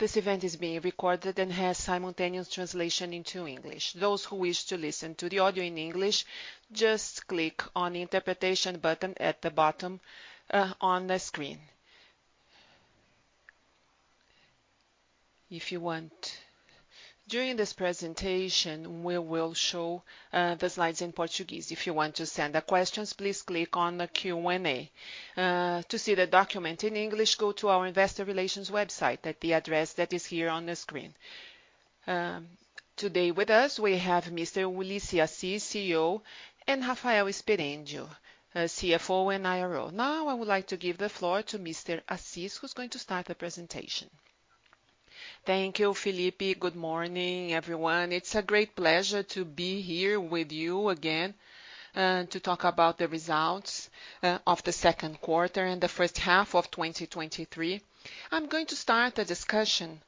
This event is being recorded and has simultaneous translation into English. Those who wish to listen to the audio in English, just click on the Interpretation button at the bottom on the screen. If you want. During this presentation, we will show the slides in Portuguese. If you want to send the questions, please click on the Q&A. To see the document in English, go to our investor relations website at the address that is here on the screen. Today with us, we have Mr. Ullisses Assis, CEO, and Rafael Sperendio, CFO and IRO. Now, I would like to give the floor to Mr. Assis, who's going to start the presentation. Thank you, Felipe. Good morning, everyone. It's a great pleasure to be here with you again, to talk about the results of the second quarter and the first half of 2023. I'm going to start the discussion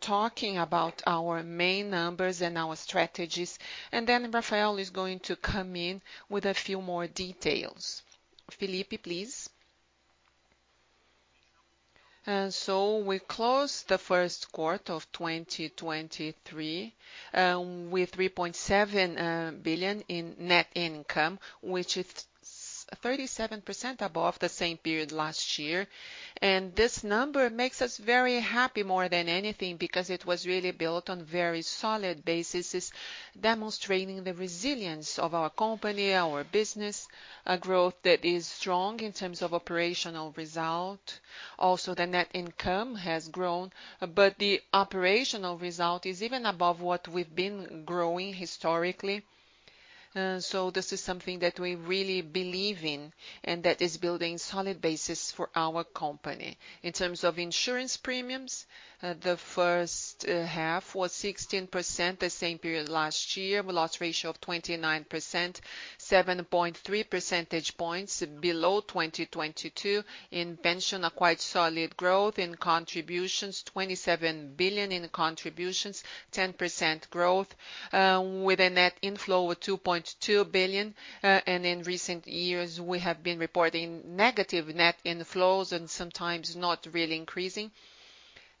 talking about our main numbers and our strategies, then Rafael is going to come in with a few more details. Felipe, please. So we closed the first quarter of 2023 with 3.7 billion in net income, which is 37% above the same period last year. This number makes us very happy more than anything, because it was really built on very solid basis, is demonstrating the resilience of our company, our business, a growth that is strong in terms of operational result. The net income has grown, but the operational result is even above what we've been growing historically. This is something that we really believe in and that is building solid basis for our company. In terms of insurance premiums, the first half was 16%, the same period last year. We loss ratio of 29%, 7.3 percentage points below 2022. In pension, a quite solid growth. In contributions, 27 billion in contributions, 10% growth, with a net inflow of 2.2 billion. In recent years, we have been reporting negative net inflows and sometimes not really increasing.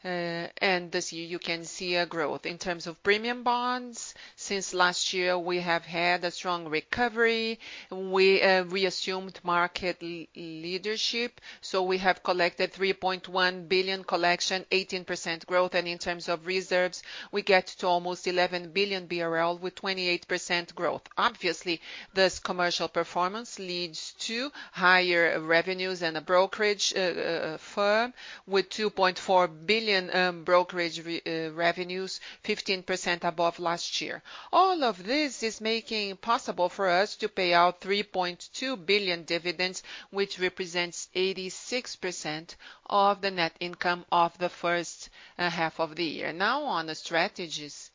This year, you can see a growth. In terms of premium bonds, since last year, we have had a strong recovery. We assumed market leadership, so we have collected 3.1 billion collection, 18% growth, and in terms of reserves, we get to almost 11 billion BRL with 28% growth. Obviously, this commercial performance leads to higher revenues and a brokerage firm with 2.4 billion brokerage revenues, 15% above last year. All of this is making it possible for us to pay out 3.2 billion dividends, which represents 86% of the net income of the first half of the year. Now, on the strategies,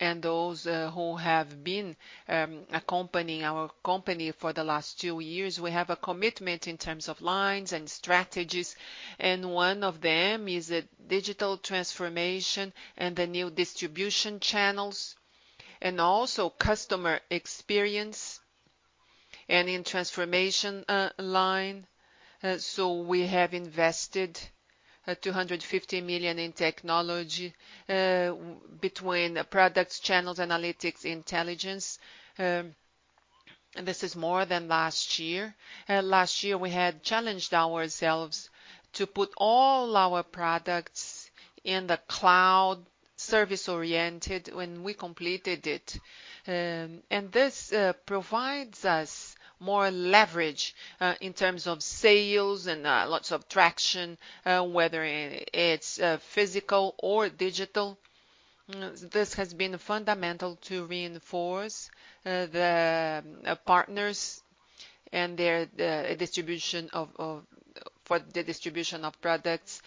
and those who have been accompanying our company for the last two years, we have a commitment in terms of lines and strategies, and one of them is a digital transformation and the new distribution channels, and also customer experience and in transformation line. We have invested 250 million in technology, between the products, channels, analytics, intelligence. This is more than last year. Last year, we had challenged ourselves to put all our products in the cloud, service-oriented, and we completed it. This provides us more leverage in terms of sales and lots of traction, whether it's physical or digital. This has been fundamental to reinforce the partners and their, for the distribution of products.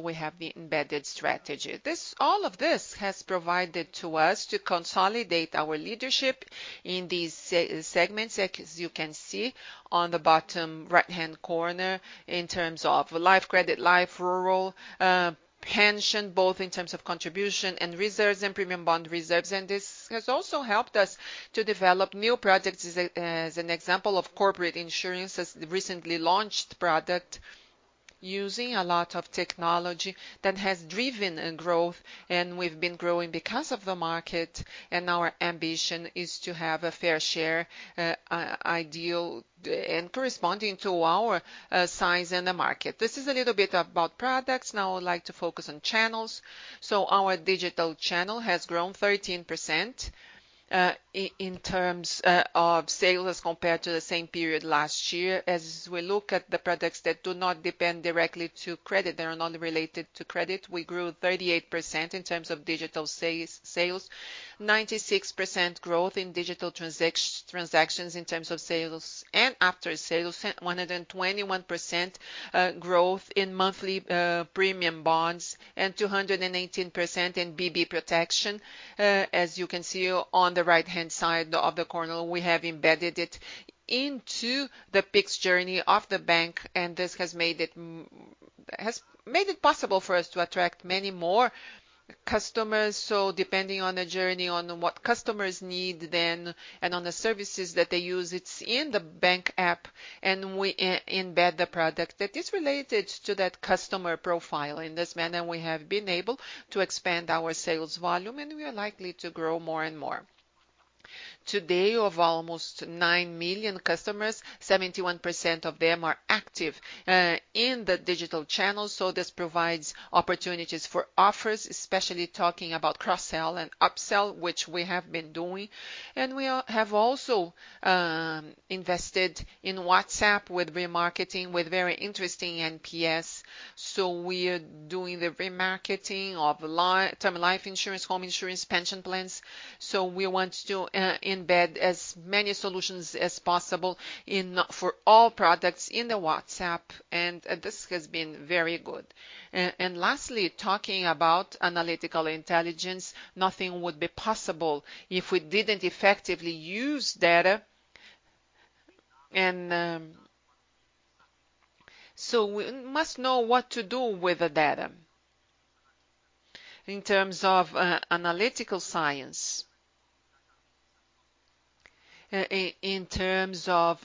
We have the embedded strategy. All of this has provided to us to consolidate our leadership in these segments, as you can see on the bottom right-hand corner, in terms of life, credit life, rural, pension, both in terms of contribution and reserves, and premium bond reserves. This has also helped us to develop new products, as a, as an example of corporate insurance, as the recently launched product, using a lot of technology that has driven growth, and we've been growing because of the market, and our ambition is to have a fair share, ideal and corresponding to our size in the market. This is a little bit about products. Now, I would like to focus on channels. Our digital channel has grown 13% in terms of sales, as compared to the same period last year. As we look at the products that do not depend directly to credit, they are not related to credit, we grew 38% in terms of digital sales, sales. 96% growth in digital transactions in terms of sales, and after sales, 121% growth in monthly premium bonds, and 218% in BB Proteção. As you can see on the right-hand side of the corner, we have embedded it into the Pix journey of the bank, and this has made it possible for us to attract many more customers, so depending on the journey, on what customers need then, and on the services that they use, it's in the bank app, and we embed the product that is related to that customer profile. In this manner, we have been able to expand our sales volume, and we are likely to grow more and more. Today, of almost 9 million customers, 71% of them are active in the digital channel. This provides opportunities for offers, especially talking about cross-sell and upsell, which we have been doing. We have also invested in WhatsApp with remarketing, with very interesting NPS. We are doing the remarketing of term life insurance, home insurance, pension plans. We want to embed as many solutions as possible for all products in the WhatsApp, and this has been very good. Lastly, talking about analytical intelligence, nothing would be possible if we didn't effectively use data. We must know what to do with the data in terms of analytical science, in terms of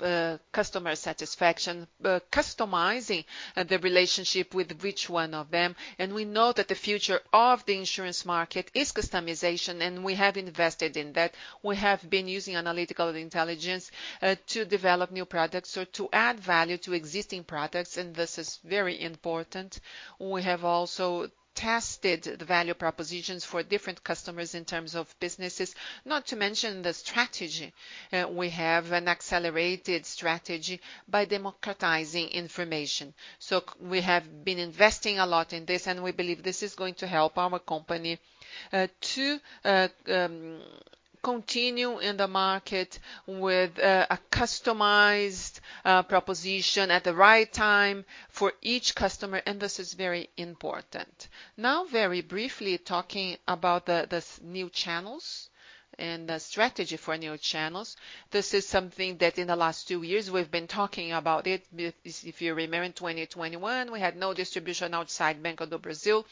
customer satisfaction, customizing the relationship with each one of them, and we know that the future of the insurance market is customization, and we have invested in that. We have been using analytical intelligence to develop new products or to add value to existing products, and this is very important. We have also tested the value propositions for different customers in terms of businesses, not to mention the strategy. We have an accelerated strategy by democratizing information. We have been investing a lot in this, and we believe this is going to help our company to continue in the market with a customized proposition at the right time for each customer, and this is very important. Now, very briefly, talking about the new channels and the strategy for new channels. This is something that in the last 2 years we've been talking about it. If you remember, in 2021, we had no distribution outside Banco do Brasil.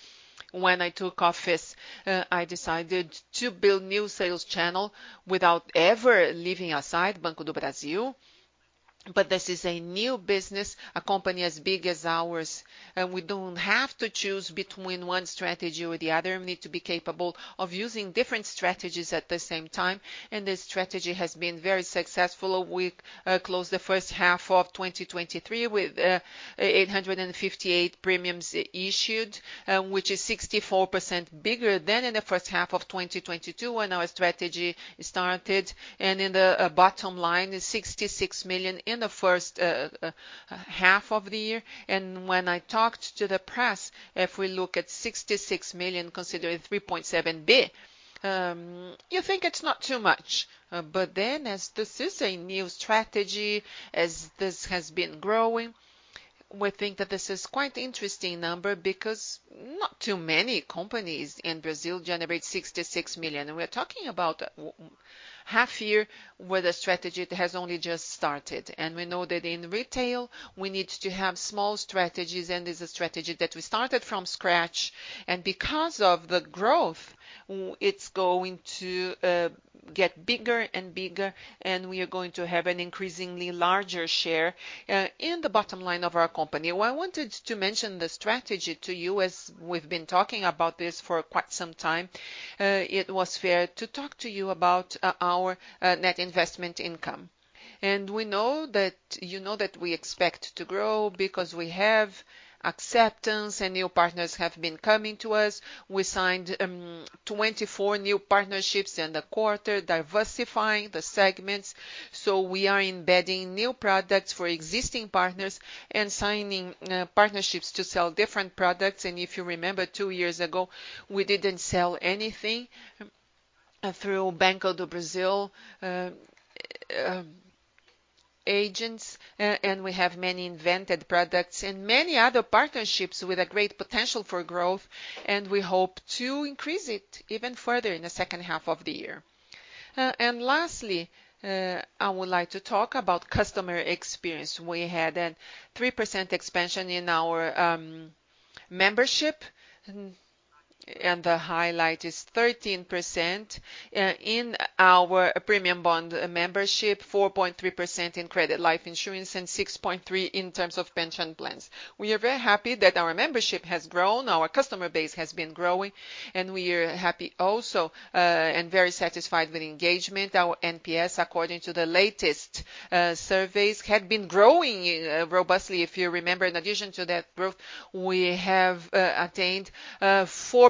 When I took office, I decided to build new sales channel without ever leaving aside Banco do Brasil. This is a new business, a company as big as ours, and we don't have to choose between one strategy or the other. We need to be capable of using different strategies at the same time, this strategy has been very successful. We closed the first half of 2023 with 858 premiums issued, which is 64% bigger than in the first half of 2022, when our strategy started. In the bottom line, is 66 million in the first half of the year. When I talked to the press, if we look at 66 million, considering 3.7 billion, you think it's not too much. As this is a new strategy, as this has been growing, we think that this is quite interesting number because not too many companies in Brazil generate 66 million. We're talking about half year, where the strategy has only just started. We know that in retail, we need to have small strategies, and this is a strategy that we started from scratch. Because of the growth, it's going to get bigger and bigger, and we are going to have an increasingly larger share in the bottom line of our company. Well, I wanted to mention the strategy to you, as we've been talking about this for quite some time. It was fair to talk to you about our net investment income. We know that-- you know that we expect to grow because we have acceptance, and new partners have been coming to us. We signed 24 new partnerships in the quarter, diversifying the segments. We are embedding new products for existing partners and signing partnerships to sell different products. If you remember, two years ago, we didn't sell anything through Banco do Brasil agents. We have many invented products and many other partnerships with a great potential for growth, and we hope to increase it even further in the second half of the year. Lastly, I would like to talk about customer experience. We had a 3% expansion in our membership. The highlight is 13% in our premium bond membership, 4.3% in credit life insurance, and 6.3% in terms of pension plans. We are very happy that our membership has grown, our customer base has been growing. We are happy also and very satisfied with engagement. Our NPS, according to the latest surveys, had been growing robustly. If you remember, in addition to that growth, we have attained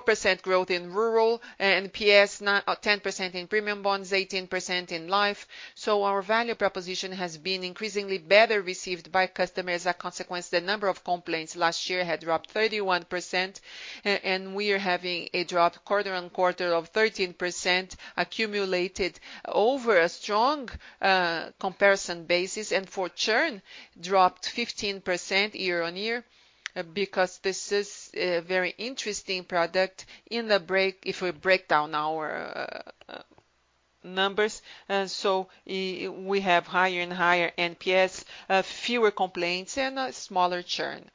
4% growth in rural NPS, 10% in premium bonds, 18% in life. Our value proposition has been increasingly better received by customers. As a consequence, the number of complaints last year had dropped 31%. We are having a drop quarter-on-quarter of 13% accumulated over a strong comparison basis, and for churn, dropped 15% year-on-year, because this is a very interesting product. If we break down our numbers, we have higher and higher NPS, fewer complaints, and a smaller churn.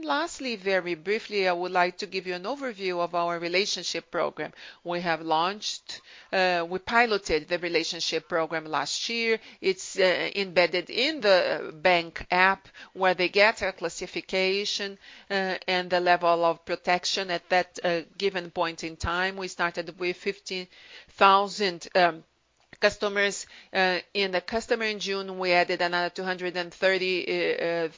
Lastly, very briefly, I would like to give you an overview of our relationship program. We have launched— we piloted the relationship program last year. It's embedded in the bank app, where they get a classification and the level of protection at that given point in time. We started with 50,000 customers. In the customer in June, we added another 230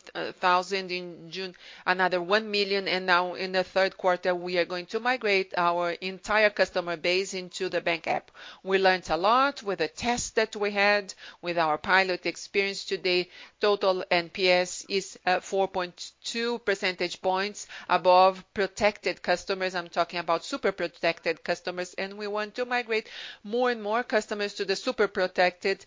thousand in June, another 1 million, and now in the 3rd quarter, we are going to migrate our entire customer base into the bank app. We learned a lot with the test that we had, with our pilot experience. Today, total NPS is at 4.2 percentage points above protected customers. I'm talking about super protected customers, and we want to migrate more and more customers to the super protected,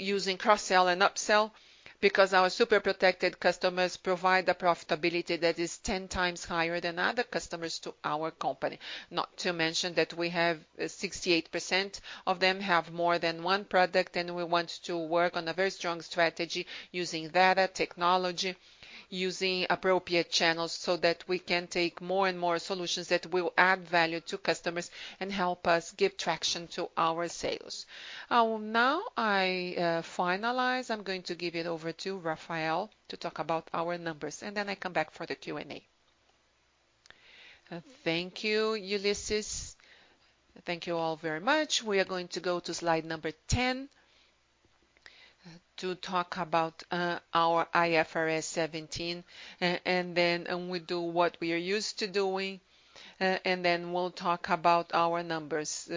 using cross-sell and upsell. Because our super protected customers provide a profitability that is 10 times higher than other customers to our company. Not to mention that we have 68% of them have more than one product, and we want to work on a very strong strategy using data technology, using appropriate channels so that we can take more and more solutions that will add value to customers and help us give traction to our sales. Now I finalize. I'm going to give it over to Rafael to talk about our numbers, and then I come back for the Q&A. Thank you, Ulisses. Thank you all very much. We are going to go to slide number 10 to talk about our IFRS 17, and then we do what we are used to doing, and then we'll talk about our numbers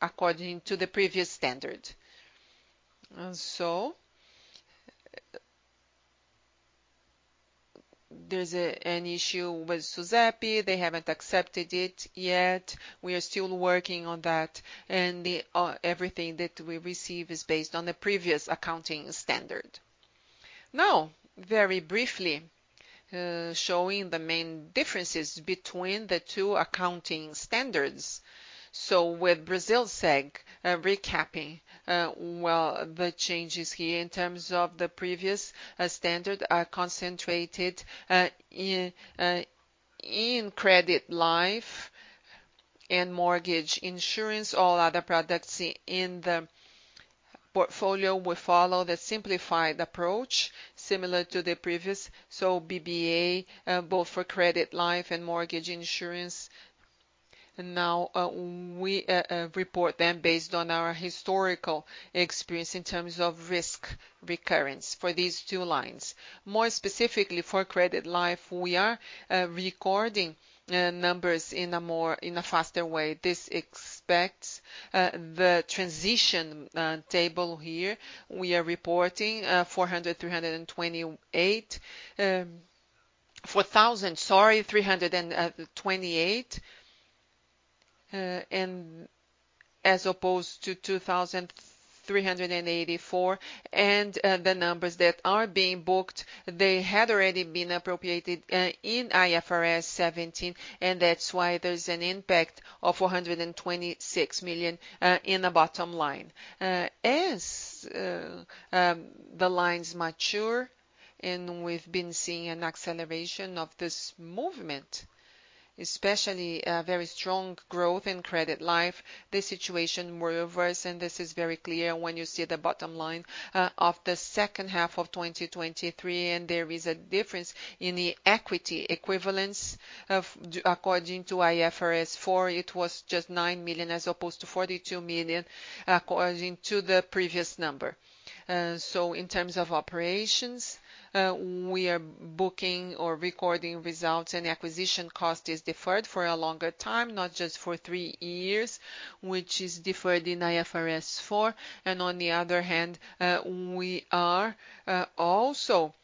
according to the previous standard. There's an issue with SUSEP. They haven't accepted it yet. We are still working on that. Everything that we receive is based on the previous accounting standard. Very briefly, showing the main differences between the two accounting standards. With Brasilseg, recapping, well, the changes here in terms of the previous standard are concentrated in credit life and mortgage insurance. All other products in the portfolio will follow the simplified approach, similar to the previous. BBA, both for credit life and mortgage insurance, now, we report them based on our historical experience in terms of risk recurrence for these two lines. More specifically for credit life, we are recording numbers in a more, in a faster way. This expects the transition table here. We are reporting 4,000, sorry, 328, and as opposed to 2,384. The numbers that are being booked, they had already been appropriated in IFRS 17, and that's why there's an impact of 426 million in the bottom line. As the lines mature, and we've been seeing an acceleration of this movement, especially very strong growth in credit life, the situation will reverse, and this is very clear when you see the bottom line of the second half of 2023. There is a difference in the equity equivalence of... According to IFRS 4, it was just 9 million, as opposed to 42 million, according to the previous number. In terms of operations, we are booking or recording results, and acquisition cost is deferred for a longer time, not just for 3 years, which is deferred in IFRS 4. On the other hand, we are also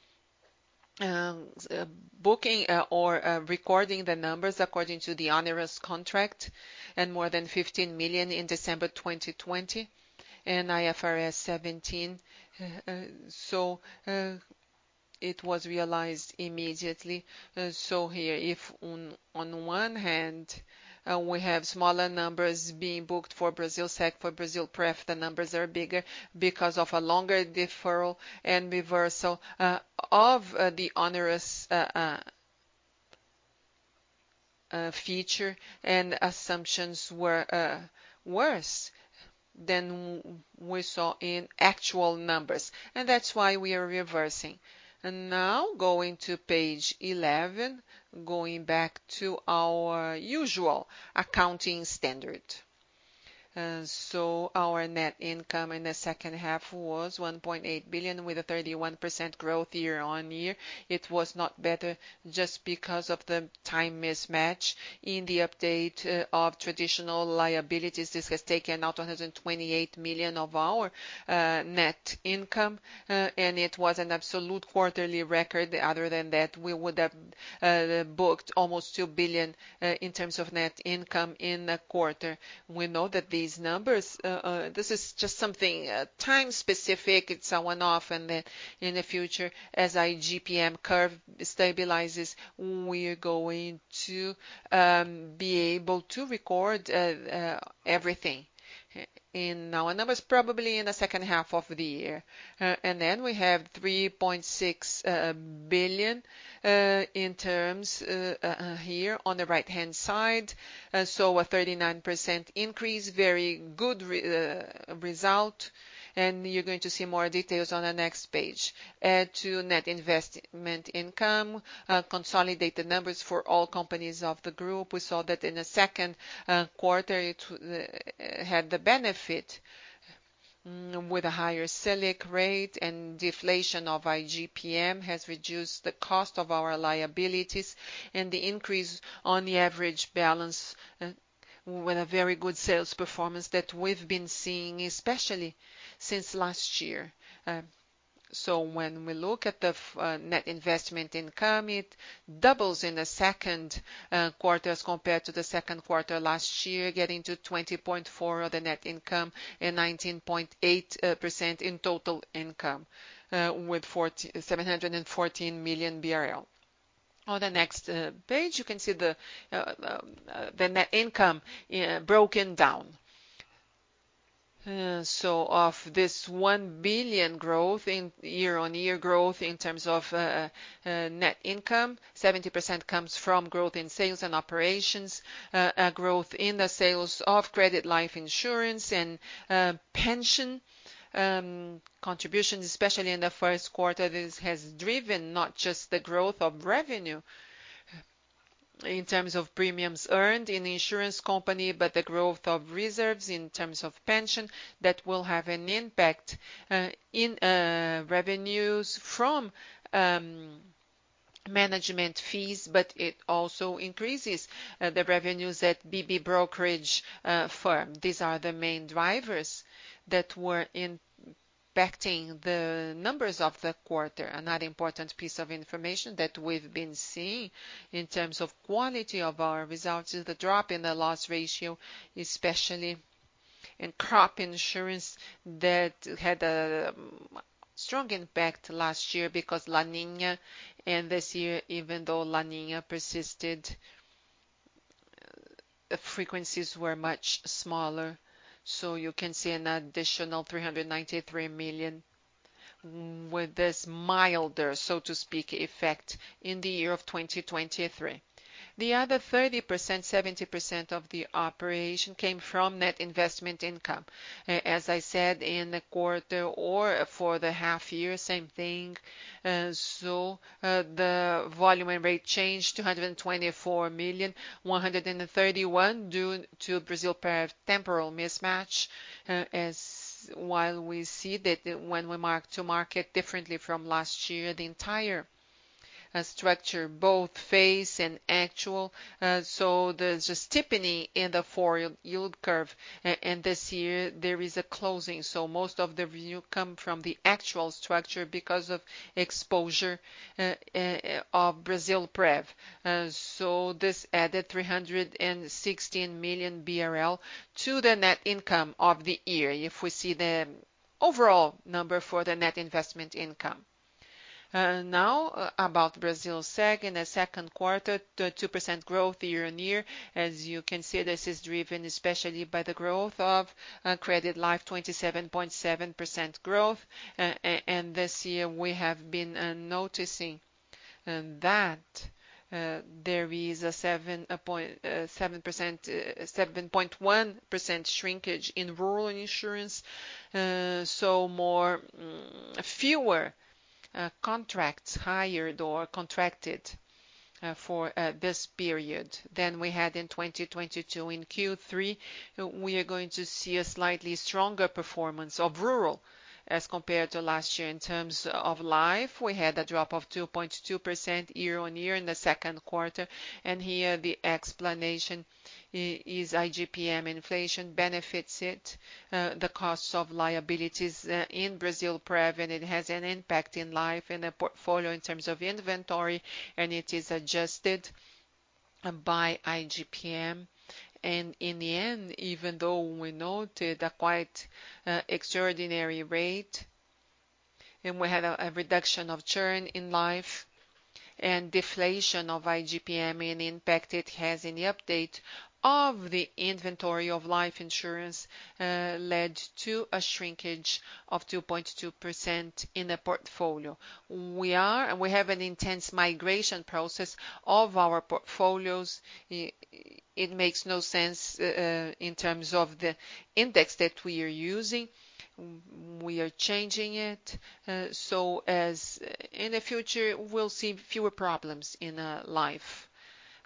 booking or recording the numbers according to the onerous contract and more than 15 million in December 2020 in IFRS 17. It was realized immediately. Here, if on one hand, we have smaller numbers being booked for Brasilseg, for Brasilprev, the numbers are bigger because of a longer deferral and reversal of the onerous feature and assumptions were worse than we saw in actual numbers, and that's why we are reversing. Now going to page 11, going back to our usual accounting standard. Our net income in the second half was 1.8 billion, with a 31% growth year-on-year. It was not better just because of the time mismatch. In the update of traditional liabilities, this has taken out 128 million of our net income, and it was an absolute quarterly record. Other than that, we would have booked almost 2 billion in terms of net income in the quarter. We know that these numbers, this is just something time specific. It's a one-off, and in the future, as our IGP-M curve stabilizes, we are going to be able to record everything. In now and that was probably in the second half of the year. We have 3.6 billion in terms here on the right-hand side. A 39% increase, very good result, and you're going to see more details on the next page. To net investment income, consolidated numbers for all companies of the group. We saw that in the second quarter, it had the benefit with a higher Selic rate and deflation of IGPM, has reduced the cost of our liabilities and the increase on the average balance with a very good sales performance that we've been seeing, especially since last year. When we look at the net investment income, it doubles in the second quarter as compared to the second quarter last year, getting to 20.4 of the net income and 19.8% in total income, with 4,714 million BRL. On the next page, you can see the net income broken down. Of this 1 billion growth in year-on-year growth in terms of net income, 70% comes from growth in sales and operations, a growth in the sales of credit life insurance and pension. Contributions, especially in the first quarter, this has driven not just the growth of revenue, in terms of premiums earned in the insurance company, but the growth of reserves in terms of pension, that will have an impact, in revenues from management fees, but it also increases the revenues at BB Brokerage firm. These are the main drivers that were impacting the numbers of the quarter. Another important piece of information that we've been seeing in terms of quality of our results is the drop in the loss ratio, especially in crop insurance, that had a strong impact last year because La Niña, and this year, even though La Niña persisted, the frequencies were much smaller. You can see an additional 393 million with this milder, so to speak, effect in the year of 2023. The other 30%, 70% of the operation came from net investment income. As I said, in the quarter or for the half year, same thing. The volume and rate change, 224,000,131, due to Brazil temporal mismatch. As while we see that when we mark-to-market differently from last year, the entire structure, both phase and actual. There's a steepening in the four yield curve, and this year there is a closing. Most of the revenue come from the actual structure because of exposure of Brasilprev. This added 316 million BRL to the net income of the year, if we see the overall number for the net investment income. Now, about Brasilseg in the second quarter, the 2% growth year-on-year. As you can see, this is driven especially by the growth of credit life, 27.7% growth. This year we have been noticing that there is a 7.1% shrinkage in rural insurance. More, fewer contracts hired or contracted for this period than we had in 2022. In Q3, we are going to see a slightly stronger performance of rural as compared to last year. In terms of life, we had a drop of 2.2% year-on-year in the second quarter, here the explanation is IGPM. Inflation benefits it, the costs of liabilities in Brasilprev, and it has an impact in life, in the portfolio, in terms of inventory, and it is adjusted by IGPM. In the end, even though we noted a quite extraordinary rate, and we had a reduction of churn in life and deflation of IGPM and the impact it has in the update of the inventory of life insurance, led to a shrinkage of 2.2% in the portfolio. We have an intense migration process of our portfolios. It makes no sense in terms of the index that we are using. We are changing it so as in the future, we'll see fewer problems in life,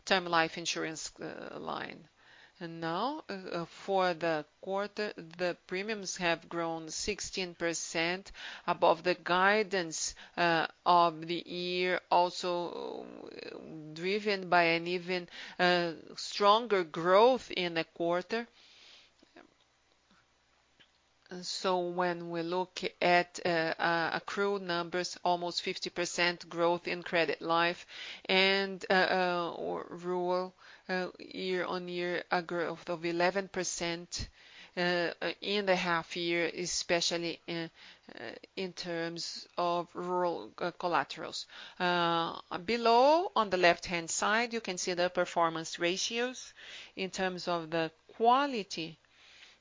term life insurance line. Now, for the quarter, the premiums have grown 16% above the guidance of the year, also, driven by an even stronger growth in the quarter. When we look at accrued numbers, almost 50% growth in credit life and rural year-on-year, a growth of 11% in the half year, especially in terms of rural collaterals. Below, on the left-hand side, you can see the performance ratios in terms of the quality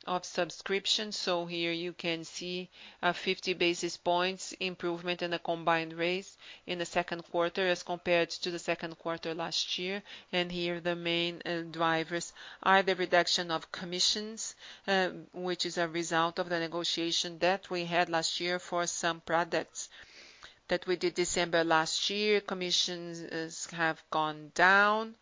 of subscription. Here you can see a 50 basis points improvement in the combined rates in the second quarter as compared to the second quarter last year. Here, the main drivers are the reduction of commissions, which is a result of the negotiation that we had last year for some products that we did December last year. Commissions have gone down.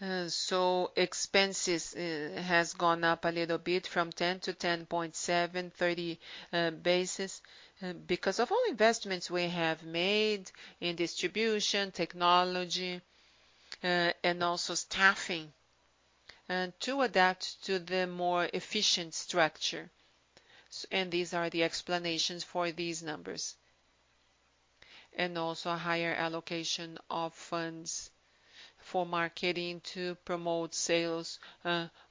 Expenses has gone up a little bit from 10 to 10.7, 30 basis, because of all investments we have made in distribution, technology, and also staffing to adapt to the more efficient structure. These are the explanations for these numbers. Also a higher allocation of funds for marketing to promote sales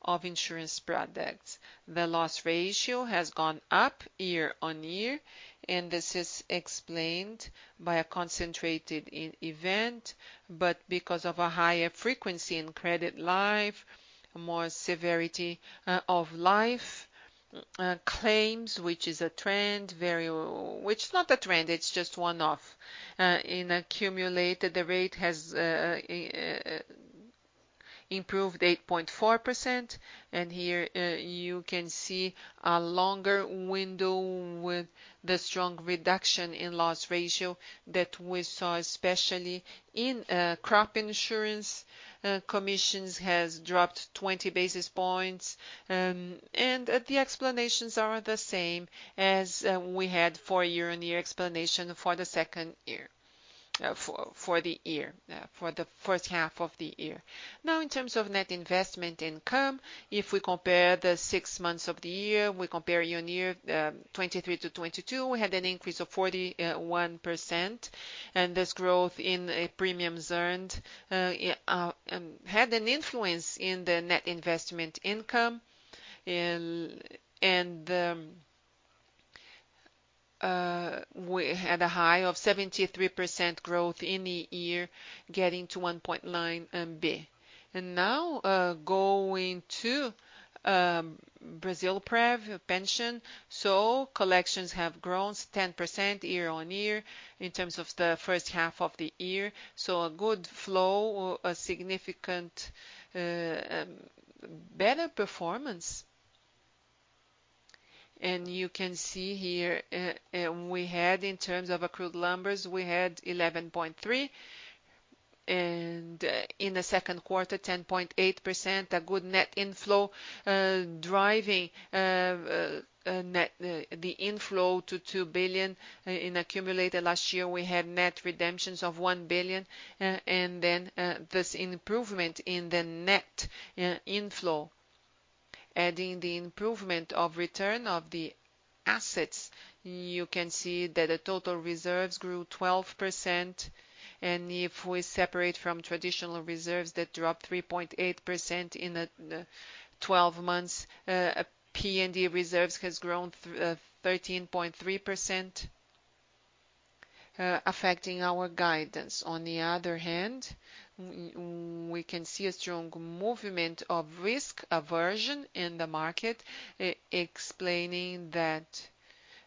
of insurance products. The loss ratio has gone up year-over-year. This is explained by a concentrated event, but because of a higher frequency in credit life, more severity of life claims, which is not a trend, it's just one-off. In accumulated, the rate has improved 8.4%. Here, you can see a longer window with the strong reduction in loss ratio that we saw, especially in crop insurance. Commissions has dropped 20 basis points. The explanations are the same as we had for year-on-year explanation for the second year for the first half of the year. Now, in terms of net investment income, if we compare the 6 months of the year, we compare year-on-year, 2023 to 2022, we had an increase of 41%. This growth in premiums earned had an influence in the net investment income. We had a high of 73% growth in the year, getting to 1.9 B. Now, going to Brasilprev pension. Collections have grown 10% year-over-year in terms of the first half of the year, so a good flow, a significant better performance. You can see here, we had in terms of accrued numbers, we had 11.3, and in the second quarter, 10.8%, a good net inflow, driving net the inflow to 2 billion. In accumulated last year, we had net redemptions of 1 billion, then this improvement in the net inflow, adding the improvement of return of the assets, you can see that the total reserves grew 12%. If we separate from traditional reserves, that dropped 3.8% in the 12 months, PND reserves has grown 13.3%, affecting our guidance. On the other hand, we can see a strong movement of risk aversion in the market, explaining that,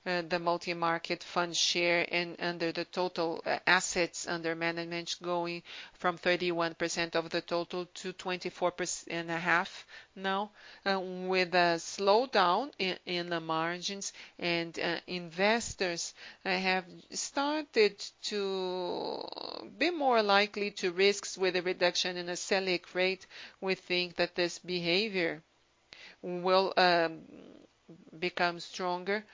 the multi-market fund share in under the total assets under management going from 31% of the total to 24.5% now. With a slowdown in the margins and investors have started to be more likely to risks with a reduction in the Selic rate. We think that this behavior will become stronger.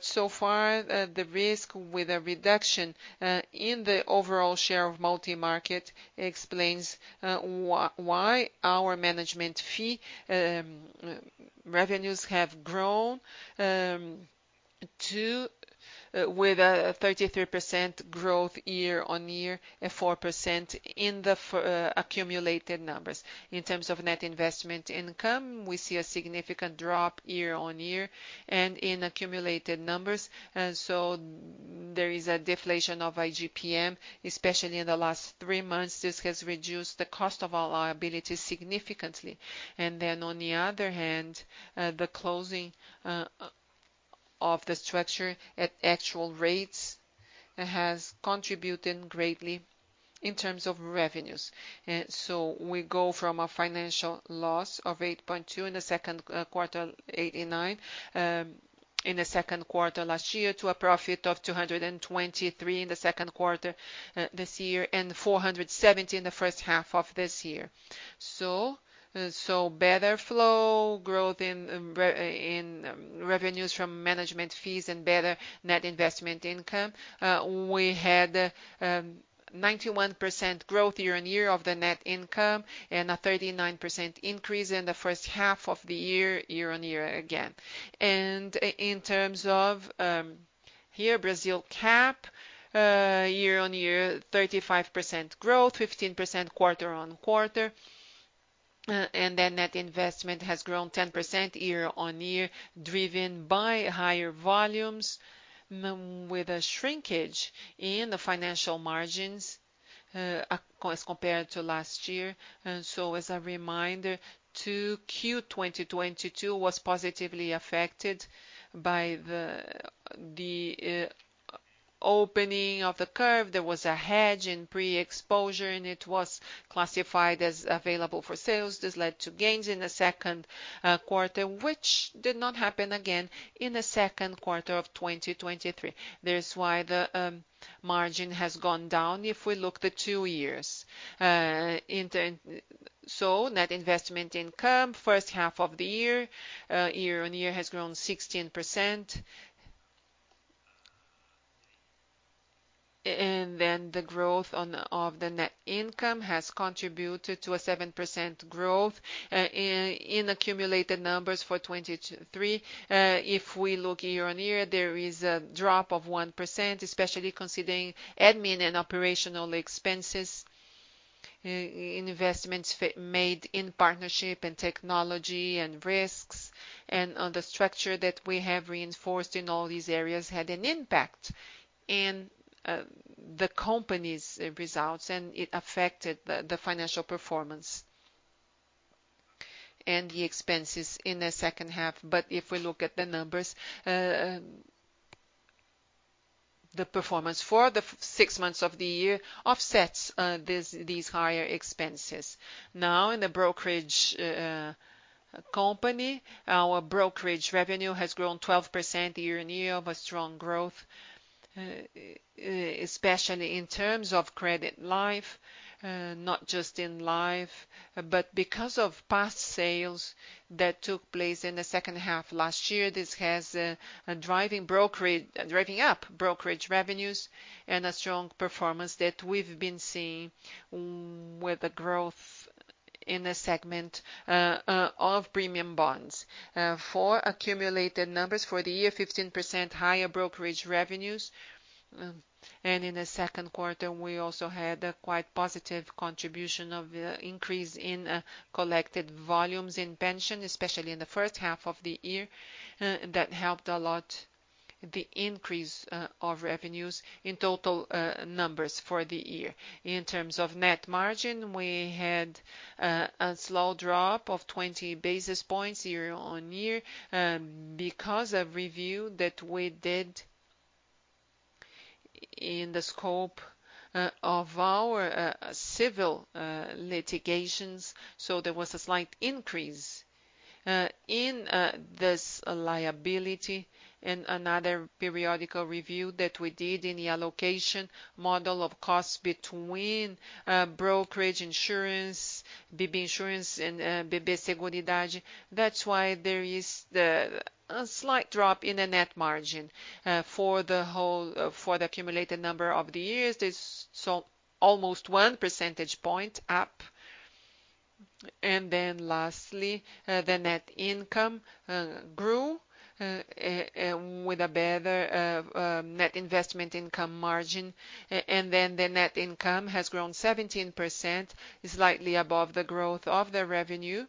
So far, the risk with a reduction in the overall share of multi-market explains why our management fee revenues have grown to with a 33% growth year-on-year, and 4% in the accumulated numbers. In terms of net investment income, we see a significant drop year-on-year and in accumulated numbers. There is a deflation of IGPM, especially in the last three months. This has reduced the cost of our liability significantly. Then, on the other hand, the closing of the structure at actual rates has contributed greatly in terms of revenues. We go from a financial loss of 8.2 in the second quarter, 89 in the second quarter last year, to a profit of 223 in the second quarter this year, and 470 in the first half of this year. Better flow growth in revenues from management fees and better net investment income. We had 91% growth year-on-year of the net income, and a 39% increase in the first half of the year, year-on-year again. In terms of here, Brasilcap, year-on-year, 35% growth, 15% quarter-on-quarter. Net investment has grown 10% year-on-year, driven by higher volumes, with a shrinkage in the financial margins, as compared to last year. As a reminder, to Q 2022 was positively affected by the opening of the curve. There was a hedge in pre-exposure, and it was classified as available for sales. This led to gains in the second quarter, which did not happen again in the second quarter of 2023. That is why the margin has gone down if we look the 2 years. Net investment income, first half of the year, year-on-year has grown 16%. Then the growth of the net income has contributed to a 7% growth in accumulated numbers for 2023. If we look year-on-year, there is a drop of 1%, especially considering admin and operational expenses. Investments made in partnership and technology and risks, and on the structure that we have reinforced in all these areas had an impact in the company's results, and it affected the financial performance and the expenses in the second half. If we look at the numbers, the performance for the six months of the year offsets these, these higher expenses. In the brokerage company, our brokerage revenue has grown 12% year-on-year, strong growth, especially in terms of credit life, not just in life, but because of past sales that took place in the second half last year. This has a driving brokerage-- driving up brokerage revenues and a strong performance that we've been seeing, with the growth in the segment of premium bonds. For accumulated numbers for the year, 15% higher brokerage revenues, and in the second quarter, we also had a quite positive contribution of the increase in collected volumes in pension, especially in the first half of the year. That helped a lot the increase of revenues in total numbers for the year. In terms of net margin, we had a slow drop of 20 basis points year-on-year because of review that we did in the scope of our civil litigations. There was a slight increase in this liability and another periodical review that we did in the allocation model of costs between brokerage insurance, BB insurance, and BB Seguridade. That's why there is a slight drop in the net margin for the whole for the accumulated number of the years. There's almost 1 percentage point up. Then lastly, the net income grew with a better net investment income margin. Then the net income has grown 17%, slightly above the growth of the revenue.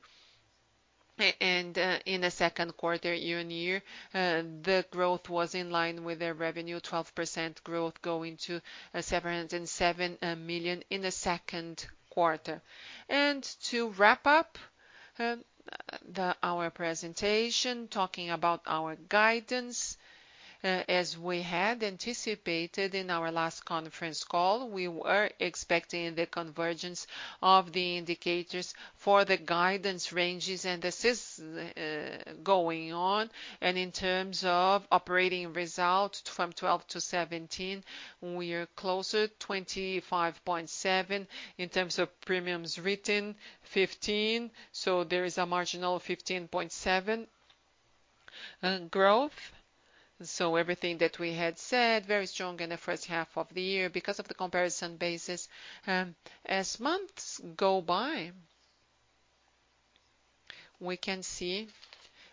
In the second quarter year-on-year, the growth was in line with the revenue, 12% growth, going to 707 million in the second quarter. To wrap up, our presentation, talking about our guidance, as we had anticipated in our last conference call, we were expecting the convergence of the indicators for the guidance ranges, and this is going on. In terms of operating results from 12 to 17, we are closer, 25.7, in terms of premiums written, 15, so there is a marginal of 15.7 growth. Everything that we had said, very strong in the first half of the year because of the comparison basis. As months go by, we can see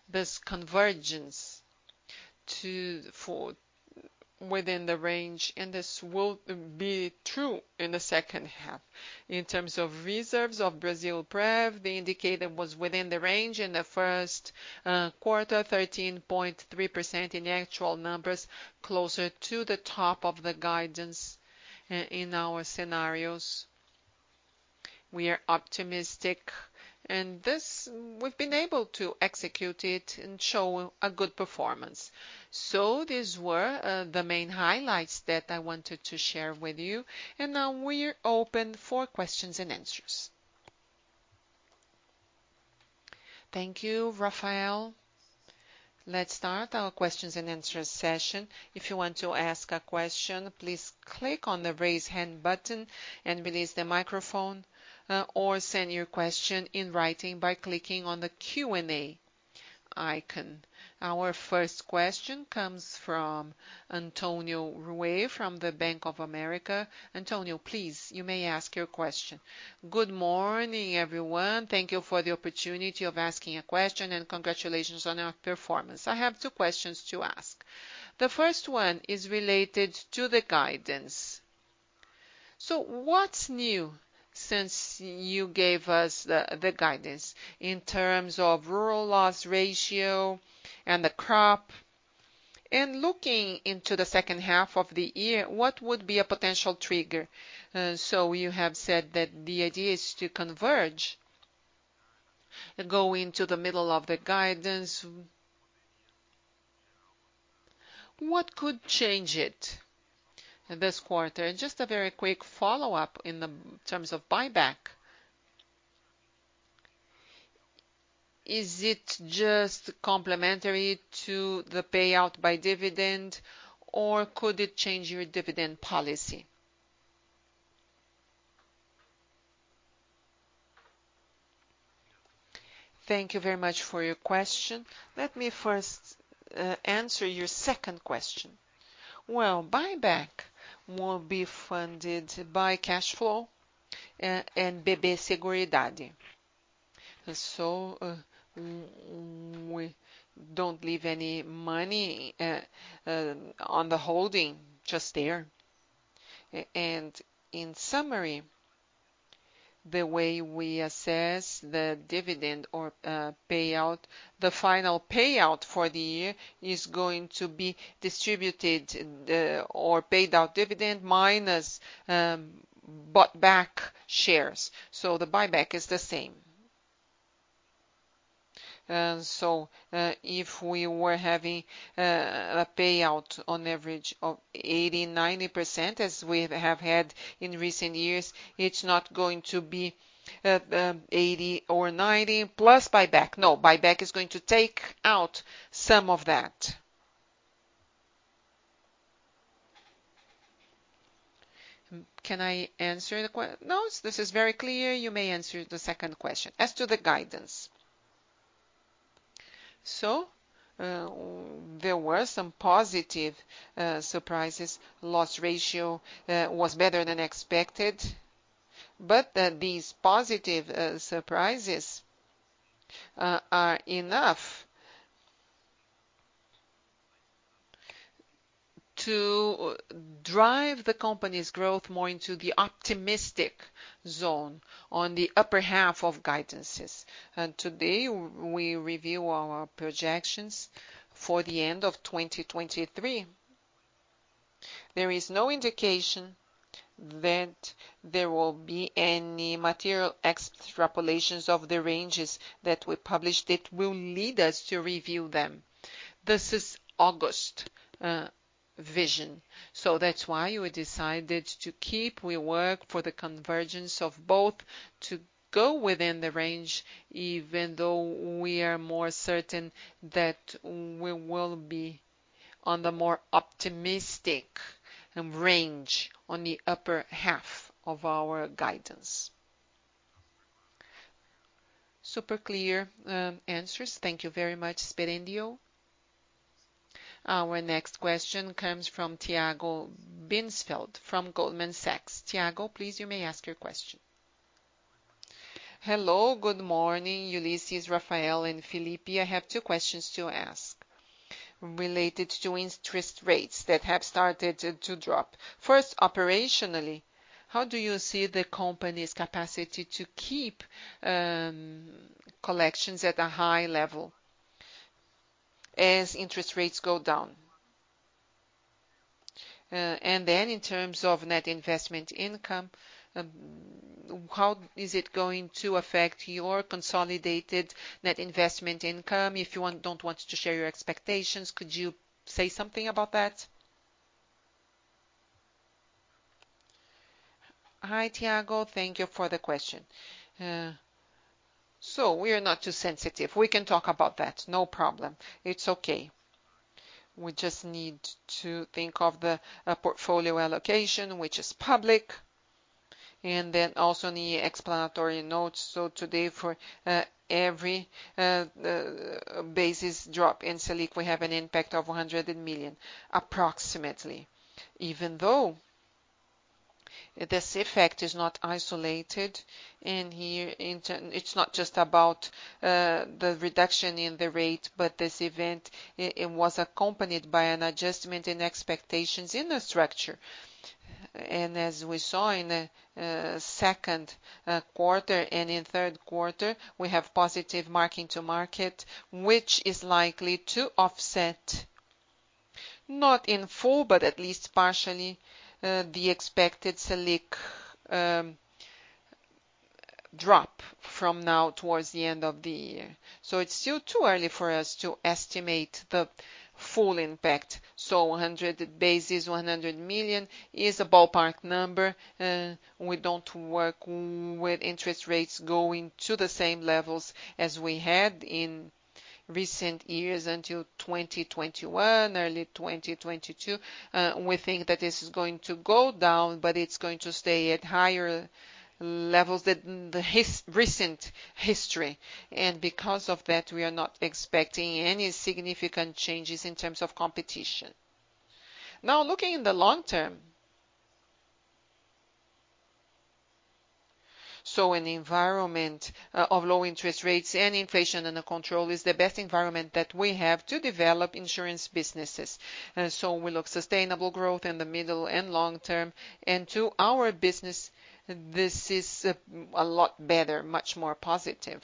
this convergence to, for within the range, and this will be true in the second half. In terms of reserves of Brasilprev, the indicator was within the range in the first quarter, 13.3% in the actual numbers, closer to the top of the guidance in our scenarios. We are optimistic, and this, we've been able to execute it and show a good performance. These were the main highlights that I wanted to share with you, and now we're open for questions and answers. Thank you, Raphael. Let's start our questions and answer session. If you want to ask a question, please click on the Raise Hand button and release the microphone, or send your question in writing by clicking on the Q&A icon. Our first question comes from Antonio Ruette from the Bank of America. Antonio, please, you may ask your question. Good morning, everyone. Thank you for the opportunity of asking a question, and congratulations on your performance. I have two questions to ask. The first one is related to the guidance. What's new since you gave us the guidance in terms of rural loss ratio and the crop? Looking into the second half of the year, what would be a potential trigger? You have said that the idea is to converge and go into the middle of the guidance. What could change it in this quarter? Just a very quick follow-up in the terms of buyback. Is it just complementary to the payout by dividend, or could it change your dividend policy? Thank you very much for your question. Let me first answer your second question. Well, buyback will be funded by cash flow and BB Seguridade. We don't leave any money on the holding, just there. And in summary, the way we assess the dividend or payout, the final payout for the year is going to be distributed, the, or paid out dividend minus bought back shares. The buyback is the same. If we were having a payout on average of 80%, 90%, as we have had in recent years, it's not going to be 80% or 90% plus buyback. No, buyback is going to take out some of that. Can I answer the No, this is very clear. You may answer the second question. As to the guidance. There were some positive surprises. Loss ratio was better than expected, but these positive surprises are enough to drive the company's growth more into the optimistic zone on the upper half of guidances. Today, we review our projections for the end of 2023. There is no indication that there will be any material extrapolations of the ranges that we published that will lead us to review them. This is August vision. That's why we decided to keep we work for the convergence of both to go within the range, even though we are more certain that we will be on the more optimistic range on the upper half of our guidance. Super clear answers. Thank you very much, Sperendio. Our next question comes from Thiago Binsfeld, from Goldman Sachs. Thiago, please, you may ask your question. Hello, good morning, Ulysses, Rafael, and Felipe. I have 2 questions to ask related to interest rates that have started to drop. First, operationally, how do you see the company's capacity to keep collections at a high level as interest rates go down? Then in terms of net investment income, how is it going to affect your consolidated net investment income? If you don't want to share your expectations, could you say something about that? Hi, Thiago. Thank you for the question. We are not too sensitive. We can talk about that, no problem. It's okay. We just need to think of the portfolio allocation, which is public, and then also the explanatory notes. Today, for every basis drop in Selic, we have an impact of 100 million, approximately. Even though this effect is not isolated, and here it's not just about the reduction in the rate, but this event, it was accompanied by an adjustment in expectations in the structure. As we saw in the second quarter and in third quarter, we have positive marking to market, which is likely to offset, not in full, but at least partially, the expected Selic drop from now towards the end of the year. It's still too early for us to estimate the full impact. One hundred basis, 100 million is a ballpark number. We don't work with interest rates going to the same levels as we had in recent years, until 2021, early 2022. We think that this is going to go down, but it's going to stay at higher levels than the recent history. Because of that, we are not expecting any significant changes in terms of competition. Now, looking in the long term. An environment of low interest rates and inflation under control is the best environment that we have to develop insurance businesses. We look sustainable growth in the middle and long term, and to our business, this is a lot better, much more positive.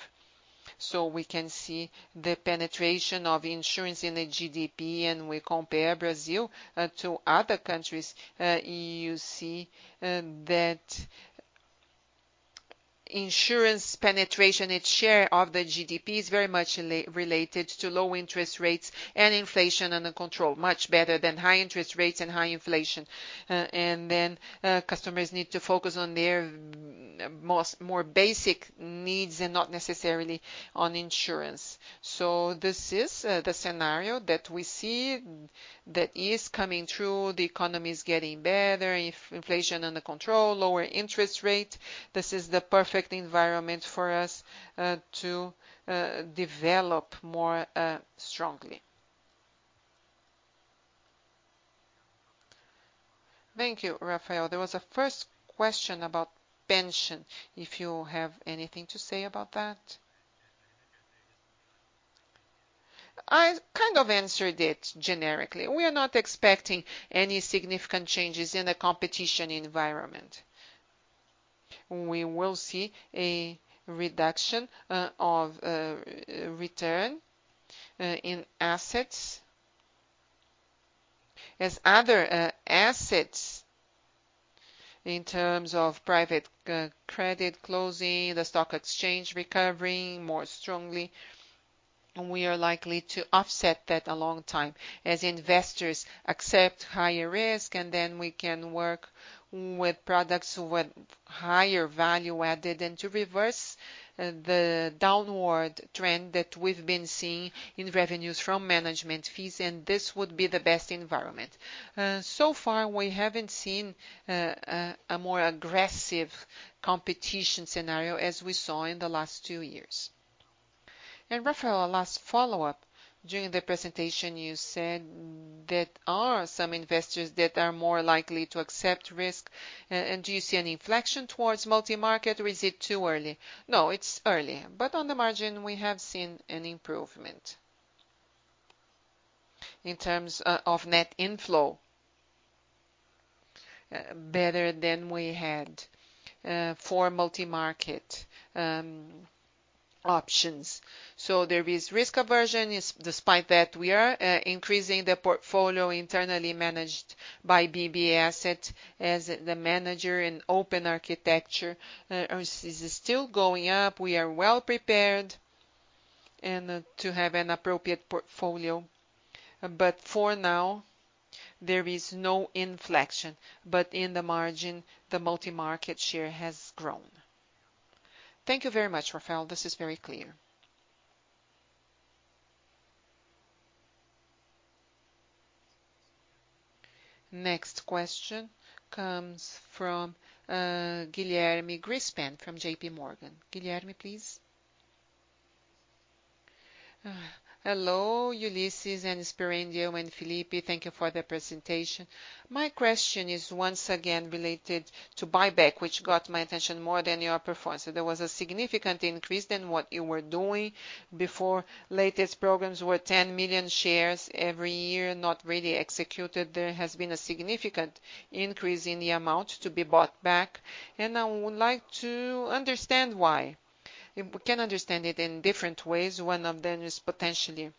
We can see the penetration of insurance in the GDP, and we compare Brazil to other countries, you see that insurance penetration, its share of the GDP is very much related to low interest rates and inflation under control, much better than high interest rates and high inflation. And then customers need to focus on their most, more basic needs and not necessarily on insurance. This is the scenario that we see that is coming through. The economy is getting better, if inflation under control, lower interest rate, this is the perfect environment for us to develop more strongly. Thank you, Rafael. There was a first question about pension, if you have anything to say about that. I kind of answered it generically. We are not expecting any significant changes in the competition environment. We will see a reduction of return in assets. As other assets, in terms of private credit closing, the stock exchange recovering more strongly, we are likely to offset that a long time. As investors accept higher risk, then we can work with products with higher value added, and to reverse the downward trend that we've been seeing in revenues from management fees, and this would be the best environment. So far, we haven't seen a more aggressive competition scenario as we saw in the last two years. Rafael, a last follow-up. During the presentation, you said there are some investors that are more likely to accept risk. Do you see an inflection towards multi-market, or is it too early? No, it's early, but on the margin, we have seen an improvement. In terms of net inflow, better than we had for multi-market options. There is risk aversion, is despite that, we are increasing the portfolio internally managed by BB Asset as the manager in open architecture, is still going up. We are well prepared and to have an appropriate portfolio. For now, there is no inflection, but in the margin, the multimarket share has grown. Thank you very much, Rafael. This is very clear. Next question comes from Guilherme Grespan from JPMorgan. Guilherme, please. Hello, Ulysses and Sperandio and Felipe. Thank you for the presentation. My question is once again related to buyback, which got my attention more than your performance. There was a significant increase than what you were doing before. Latest programs were 10 million shares every year, not really executed. There has been a significant increase in the amount to be bought back, and I would like to understand why. We can understand it in different ways. One of them is potentially...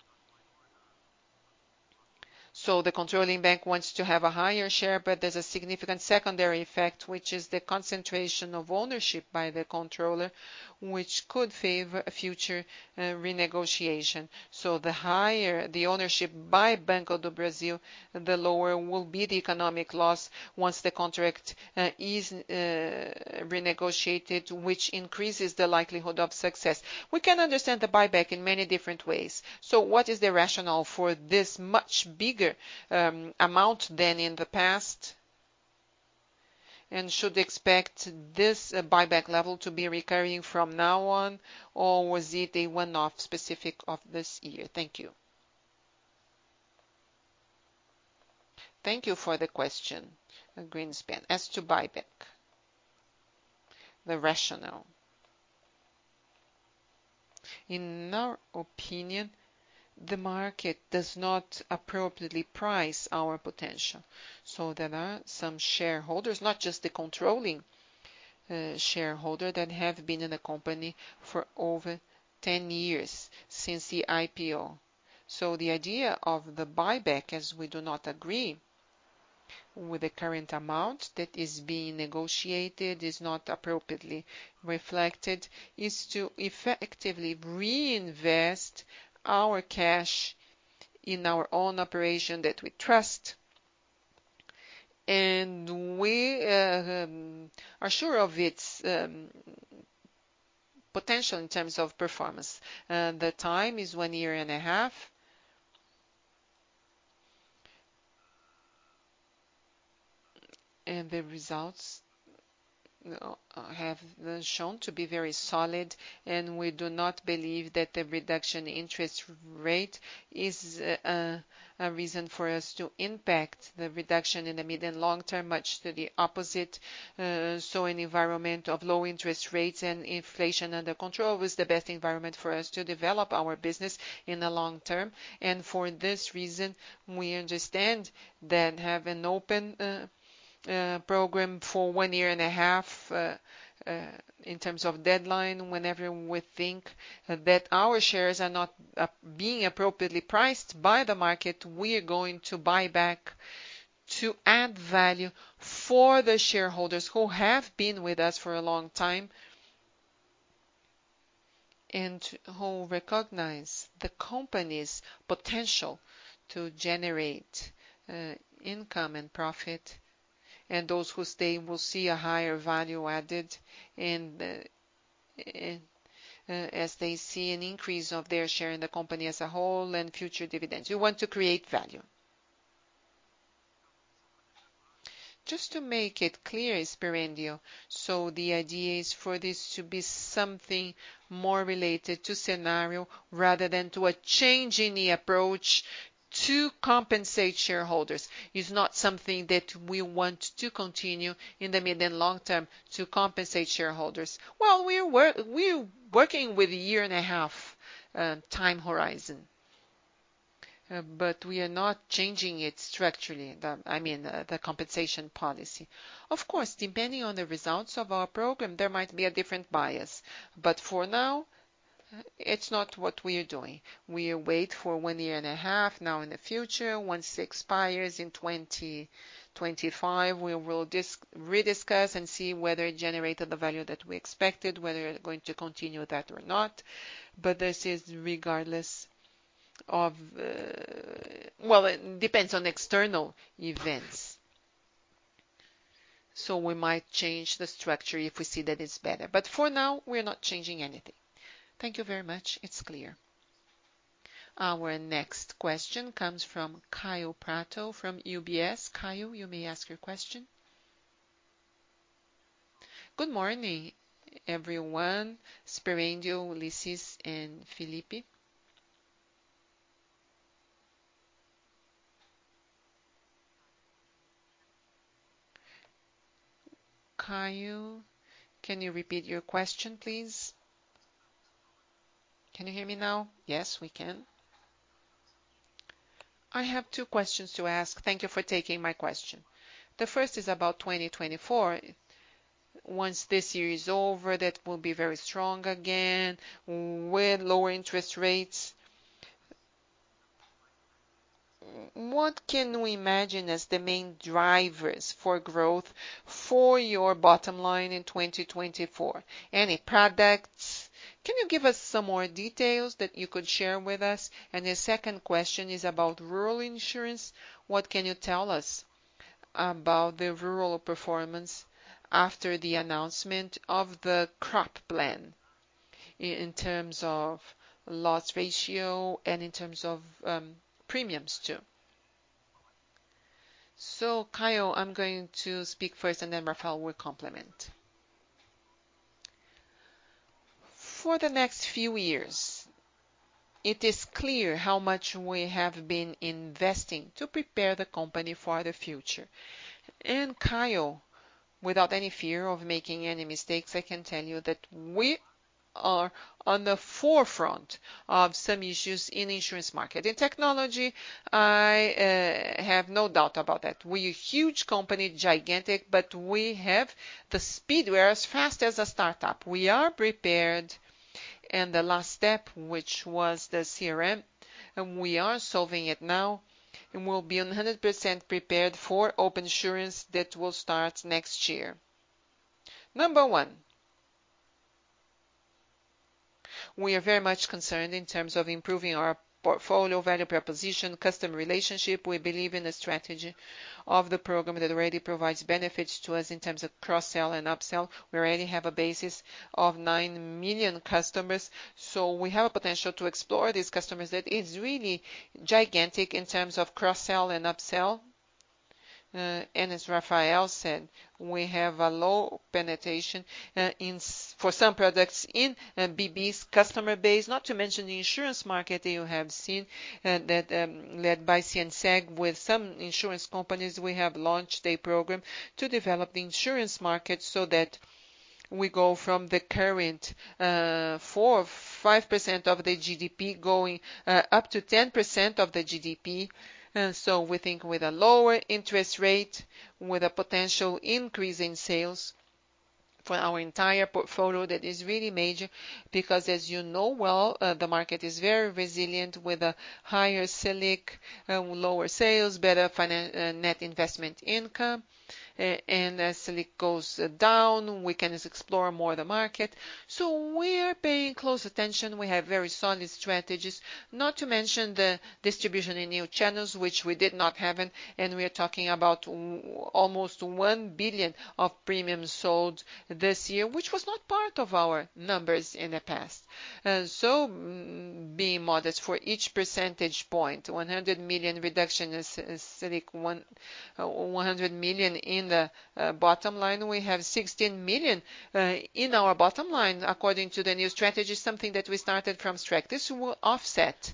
The controlling bank wants to have a higher share, but there's a significant secondary effect, which is the concentration of ownership by the controller, which could favor a future renegotiation. The higher the ownership by Banco do Brasil, the lower will be the economic loss once the contract is renegotiated, which increases the likelihood of success. We can understand the buyback in many different ways. What is the rationale for this much bigger amount than in the past? Should expect this buyback level to be recurring from now on, or was it a one-off specific of this year? Thank you. Thank you for the question, Greenspan. As to buyback, the rationale. In our opinion, the market does not appropriately price our potential. There are some shareholders, not just the controlling shareholder, that have been in the company for over 10 years since the IPO. The idea of the buyback, as we do not agree with the current amount that is being negotiated, is not appropriately reflected, is to effectively reinvest our cash in our own operation that we trust, and we are sure of its potential in terms of performance. The time is 1 year and a half.... The results have shown to be very solid, and we do not believe that the reduction interest rate is a reason for us to impact the reduction in the mid and long term, much to the opposite. An environment of low interest rates and inflation under control is the best environment for us to develop our business in the long term. For this reason, we understand that have an open program for one year and a half in terms of deadline, whenever we think that our shares are not being appropriately priced by the market, we are going to buy back to add value for the shareholders who have been with us for a long time, and who recognize the company's potential to generate income and profit, and those who stay will see a higher value added and as they see an increase of their share in the company as a whole and future dividends. We want to create value. Just to make it clear, Sperandio. The idea is for this to be something more related to scenario rather than to a change in the approach to compensate shareholders. It's not something that we want to continue in the medium long term to compensate shareholders. We're working with a year and a half time horizon, but we are not changing it structurally. I mean, the compensation policy. Of course, depending on the results of our program, there might be a different bias, but for now, it's not what we are doing. We wait for one year and a half now in the future, once it expires in 2025, we will rediscuss and see whether it generated the value that we expected, whether we're going to continue that or not. This is regardless of, it depends on external events. We might change the structure if we see that it's better, but for now, we're not changing anything. Thank you very much. It's clear. Our next question comes from Kaio Prato, from UBS. Kaio, you may ask your question. Good morning, everyone, Sperendio, Ulisses, and Felipe. Kaio, can you repeat your question, please? Can you hear me now? Yes, we can. I have two questions to ask. Thank you for taking my question. The first is about 2024. Once this year is over, that will be very strong again, with lower interest rates. What can we imagine as the main drivers for growth for your bottom line in 2024? Any products? Can you give us some more details that you could share with us? The second question is about rural insurance. What can you tell us about the rural performance after the announcement of the Crop Plan in terms of loss ratio and in terms of premiums, too? Caio, I'm going to speak first, and then Rafael will complement. For the next few years, it is clear how much we have been investing to prepare the company for the future. Caio, without any fear of making any mistakes, I can tell you that we are on the forefront of some issues in insurance market. In technology, I have no doubt about that. We a huge company, gigantic, but we have the speed. We're as fast as a startup. We are prepared, and the last step, which was the CRM, and we are solving it now, and we'll be 100% prepared for Open Insurance that will start next year. Number 1, we are very much concerned in terms of improving our portfolio, value proposition, customer relationship. We believe in the strategy of the program that already provides benefits to us in terms of cross-sell and upsell. We already have a basis of 9 million customers, so we have a potential to explore these customers that is really gigantic in terms of cross-sell and upsell. As Rafael said, we have a low penetration in for some products in BB's customer base, not to mention the insurance market that you have seen that led by CNseg. With some insurance companies, we have launched a program to develop the insurance market so that we go from the current 4% or 5% of the GDP going up to 10% of the GDP. We think with a lower interest rate, with a potential increase in sales for our entire portfolio, that is really major because, as you know well, the market is very resilient with a higher Selic, lower sales, better net investment income. As Selic goes down, we can explore more the market. We are paying close attention. We have very solid strategies, not to mention the distribution in new channels, which we did not have, and, and we are talking about almost 1 billion of premiums sold this year, which was not part of our numbers in the past. Being modest for each percentage point, 100 million reduction is, is Selic one, 100 million in the bottom line. We have 16 million in our bottom line, according to the new strategy, something that we started from scratch. This will offset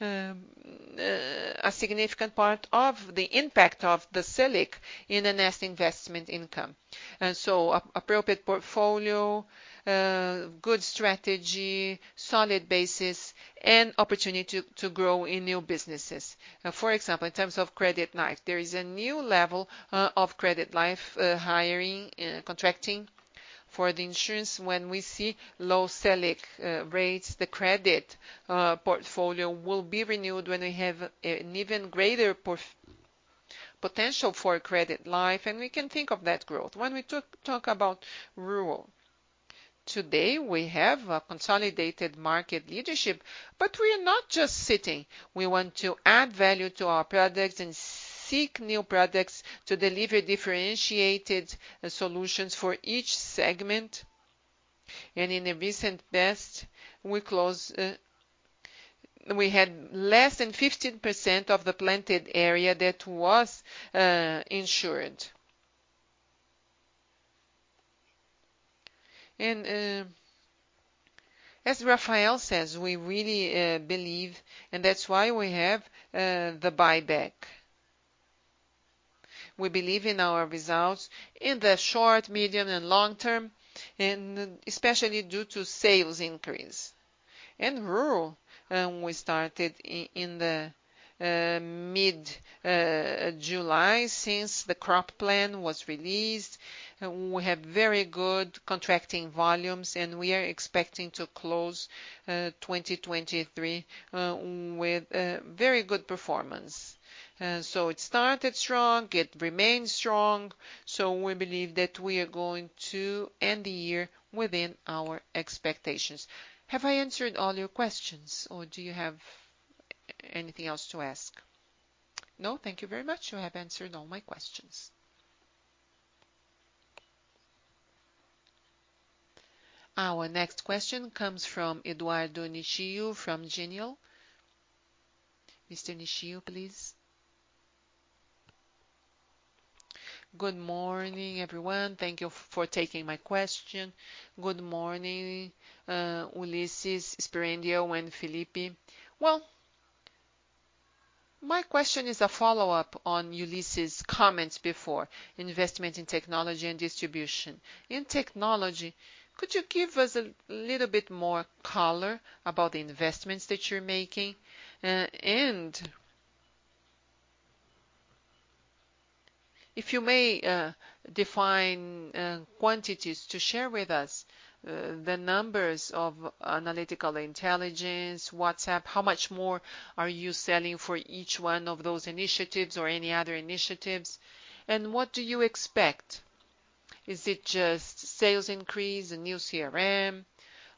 a significant part of the impact of the Selic in the next investment income. Appropriate portfolio, good strategy, solid basis, and opportunity to grow in new businesses. For example, in terms of credit life, there is a new level of credit life hiring, contracting for the insurance. When we see low Selic rates, the credit portfolio will be renewed when we have an even greater potential for credit life, and we can think of that growth. When we talk about rural, today, we have a consolidated market leadership, but we are not just sitting. We want to add value to our products and seek new products to deliver differentiated solutions for each segment. In the recent past, we closed. We had less than 15% of the planted area that was insured. As Rafael says, we really believe, and that's why we have the buyback. We believe in our results in the short, medium, and long term, and especially due to sales increase. In rural, we started in the mid July, since the Crop Plan was released. We have very good contracting volumes, and we are expecting to close 2023 with a very good performance. It started strong, it remains strong, so we believe that we are going to end the year within our expectations. Have I answered all your questions, or do you have anything else to ask? No, thank you very much. You have answered all my questions. Our next question comes from Eduardo Nishio, from Genial. Mr. Nishio, please. Good morning, everyone. Thank you for taking my question. Good morning, Ulysses, Sperendio, and Felipe. Well, my question is a follow-up on Ulysses' comments before, investment in technology and distribution. In technology, could you give us a little bit more color about the investments that you're making? And if you may, define quantities to share with us, the numbers of analytical intelligence, WhatsApp, how much more are you selling for each one of those initiatives or any other initiatives? What do you expect? Is it just sales increase, a new CRM,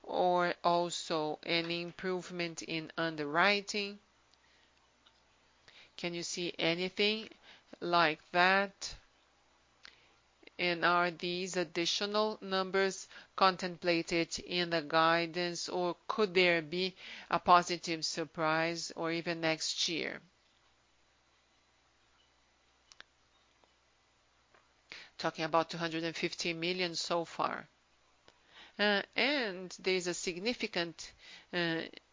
or also an improvement in underwriting? Can you see anything like that? Are these additional numbers contemplated in the guidance, or could there be a positive surprise or even next year? Talking about 250 million so far. There is a significant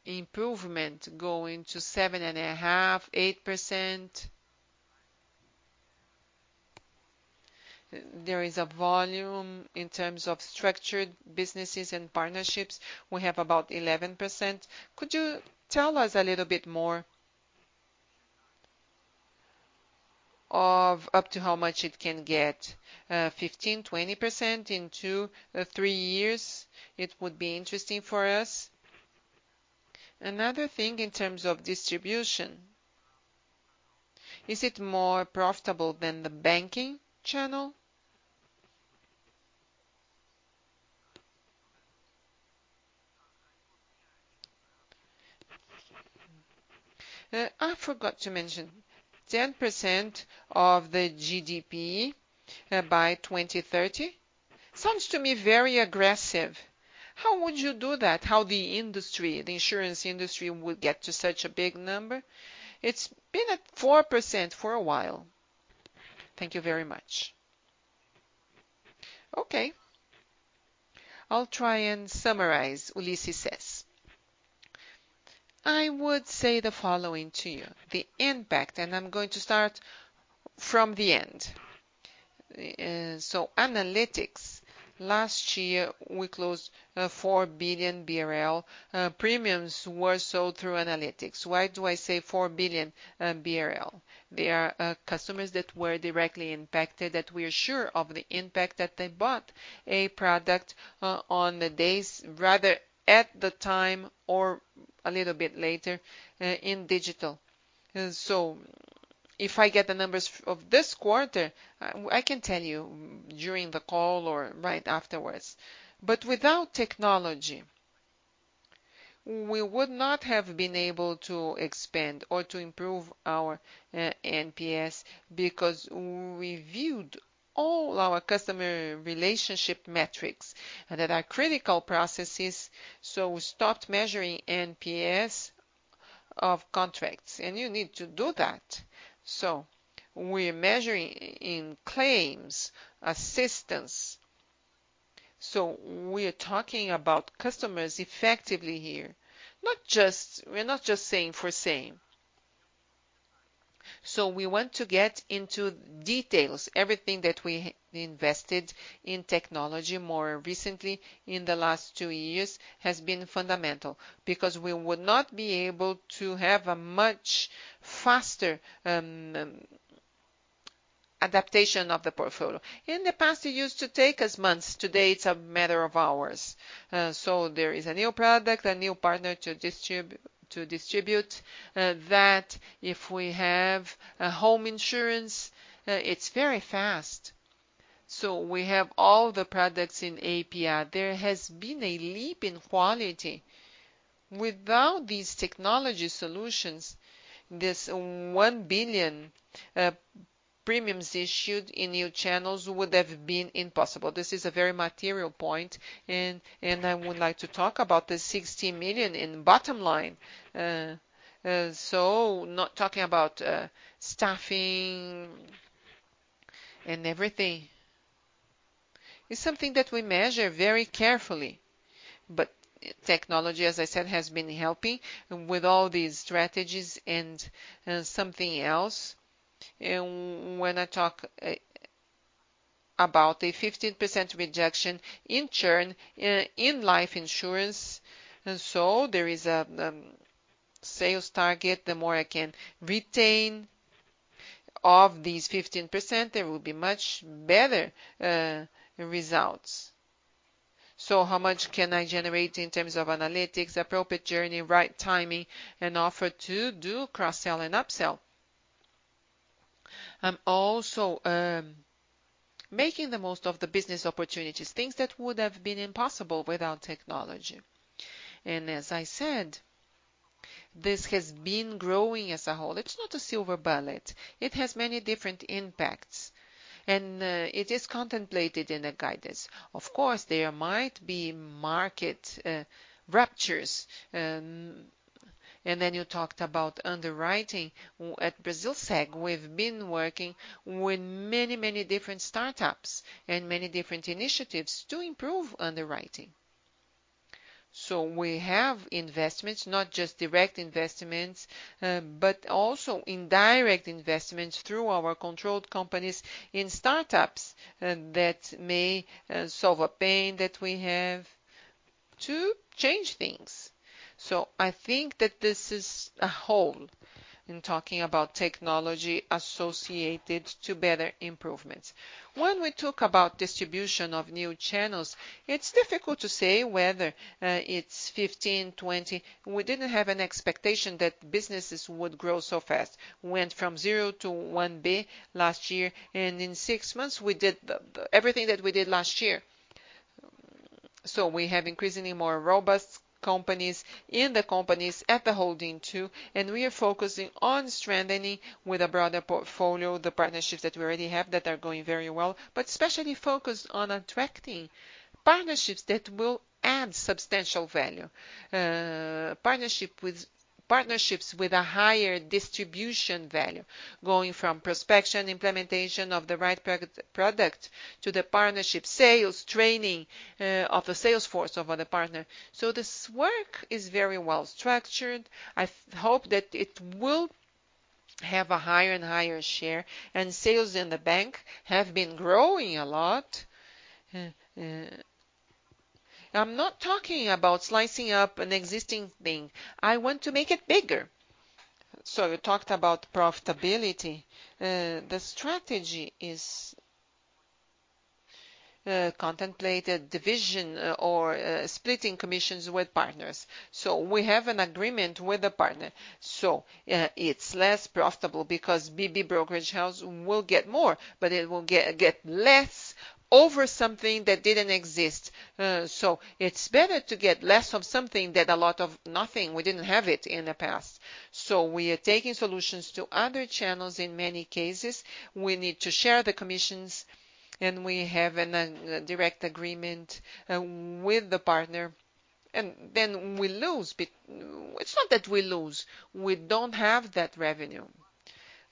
improvement going to 7.5%-8%. There is a volume in terms of structured businesses and partnerships, we have about 11%. Could you tell us a little bit more of up to how much it can get, 15%-20% in 2 or 3 years? It would be interesting for us. Another thing in terms of distribution, is it more profitable than the banking channel? I forgot to mention, 10% of the GDP by 2030 sounds to me very aggressive. How would you do that? How the industry, the insurance industry, would get to such a big number? It's been at 4% for a while. Thank you very much. Okay. I'll try and summarize, Ulisses Assis. I would say the following to you, the impact, and I'm going to start from the end. So analytics, last year, we closed, 4 billion BRL, premiums were sold through analytics. Why do I say 4 billion BRL? They are, customers that were directly impacted, that we are sure of the impact, that they bought a product, on the days rather at the time or a little bit later, in digital. So if I get the numbers of this quarter, I can tell you during the call or right afterwards. But without technology, we would not have been able to expand or to improve our NPS because we viewed all our customer relationship metrics that are critical processes. We stopped measuring NPS of contracts, and you need to do that. We're measuring in claims, assistance. We are talking about customers effectively here, not just, we're not just saying for saying. We want to get into details. Everything that we invested in technology more recently in the last 2 years has been fundamental, because we would not be able to have a much faster adaptation of the portfolio. In the past, it used to take us months. Today, it's a matter of hours. There is a new product, a new partner to distribute, to distribute, that if we have a home insurance, it's very fast. We have all the products in API. There has been a leap in quality. Without these technology solutions, this 1 billion premiums issued in new channels would have been impossible. This is a very material point, and I would like to talk about the 16 million in bottom line. Not talking about staffing and everything. It's something that we measure very carefully. Technology, as I said, has been helping with all these strategies and something else. When I talk about a 15% reduction in churn in, in life insurance, and so there is a sales target, the more I can retain of these 15%, there will be much better results. How much can I generate in terms of analytics, appropriate journey, right timing, and offer to do cross-sell and upsell? I'm also making the most of the business opportunities, things that would have been impossible without technology. As I said, this has been growing as a whole. It's not a silver bullet. It has many different impacts, and it is contemplated in the guidance. Of course, there might be market ruptures. You talked about underwriting. At Brasilseg, we've been working with many, many different startups and many different initiatives to improve underwriting. We have investments, not just direct investments, but also indirect investments through our controlled companies in startups that may solve a pain that we have to change things. I think that this is a whole, in talking about technology associated to better improvements. When we talk about distribution of new channels, it's difficult to say whether it's 15, 20. We didn't have an expectation that businesses would grow so fast. We went from zero to 1 billion last year, and in 6 months, we did everything that we did last year. We have increasingly more robust companies in the companies at the holding, too, and we are focusing on strengthening with a broader portfolio, the partnerships that we already have that are going very well, but especially focused on attracting partnerships that will add substantial value. Partnerships with a higher distribution value, going from prospection, implementation of the right product, to the partnership sales, training of the sales force of other partner. This work is very well structured. I hope that it will have a higher and higher share, and sales in the bank have been growing a lot. I'm not talking about slicing up an existing thing. I want to make it bigger. You talked about profitability. The strategy is contemplated division or splitting commissions with partners. We have an agreement with the partner. It's less profitable because BB Corretora will get more, but it will get, get less over something that didn't exist. It's better to get less of something than a lot of nothing. We didn't have it in the past. We are taking solutions to other channels in many cases. We need to share the commissions, and we have a direct agreement with the partner, and then we lose. It's not that we lose, we don't have that revenue.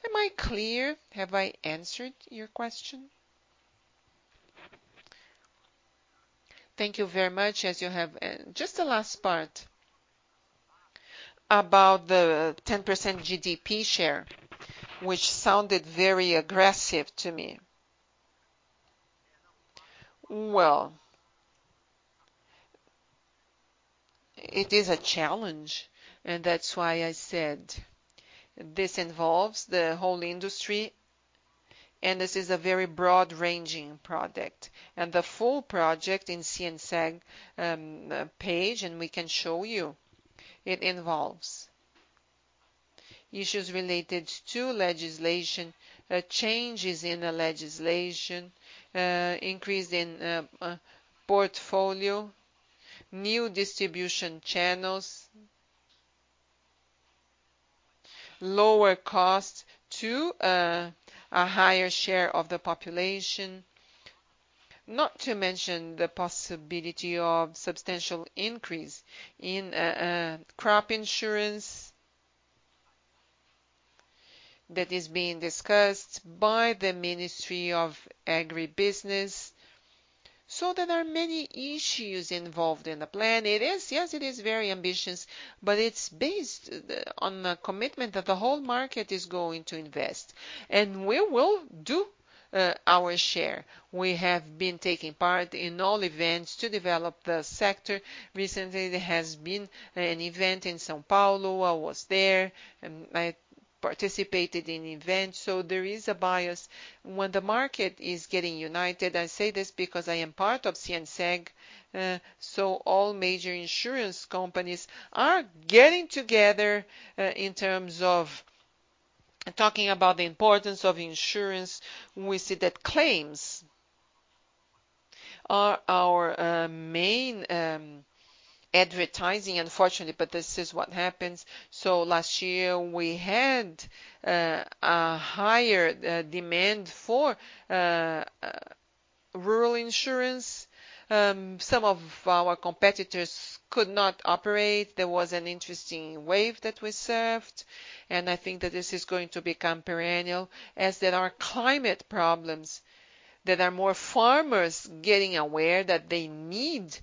Am I clear? Have I answered your question? Thank you very much. As you have... Just the last part about the 10% GDP share, which sounded very aggressive to me. Well, it is a challenge, and that's why I said this involves the whole industry, and this is a very broad-ranging project, and the full project in CNseg page, and we can show you. It involves issues related to legislation, changes in the legislation, increase in portfolio, new distribution channels. Lower cost to a higher share of the population, not to mention the possibility of substantial increase in crop insurance, that is being discussed by the Ministry of Agriculture and Livestock. There are many issues involved in the plan. It is, yes, it is very ambitious, but it's based on a commitment that the whole market is going to invest, and we will do our share. We have been taking part in all events to develop the sector. Recently, there has been an event in São Paulo. I was there. I participated in event. There is a bias when the market is getting united. I say this because I am part of CNseg. All major insurance companies are getting together in terms of talking about the importance of insurance. We see that claims are our main advertising, unfortunately, but this is what happens. Last year, we had a higher demand for rural insurance. Some of our competitors could not operate. There was an interesting wave that we served, and I think that this is going to become perennial, as there are climate problems. There are more farmers getting aware that they need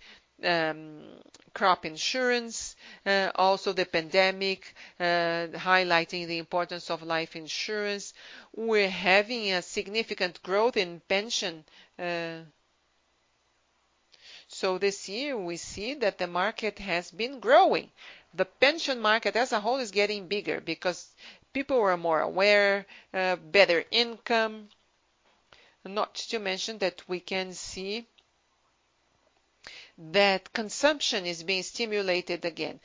crop insurance, also the pandemic, highlighting the importance of life insurance. We're having a significant growth in pension. This year, we see that the market has been growing. The pension market as a whole is getting bigger because people are more aware, better income, not to mention that we can see that consumption is being stimulated again.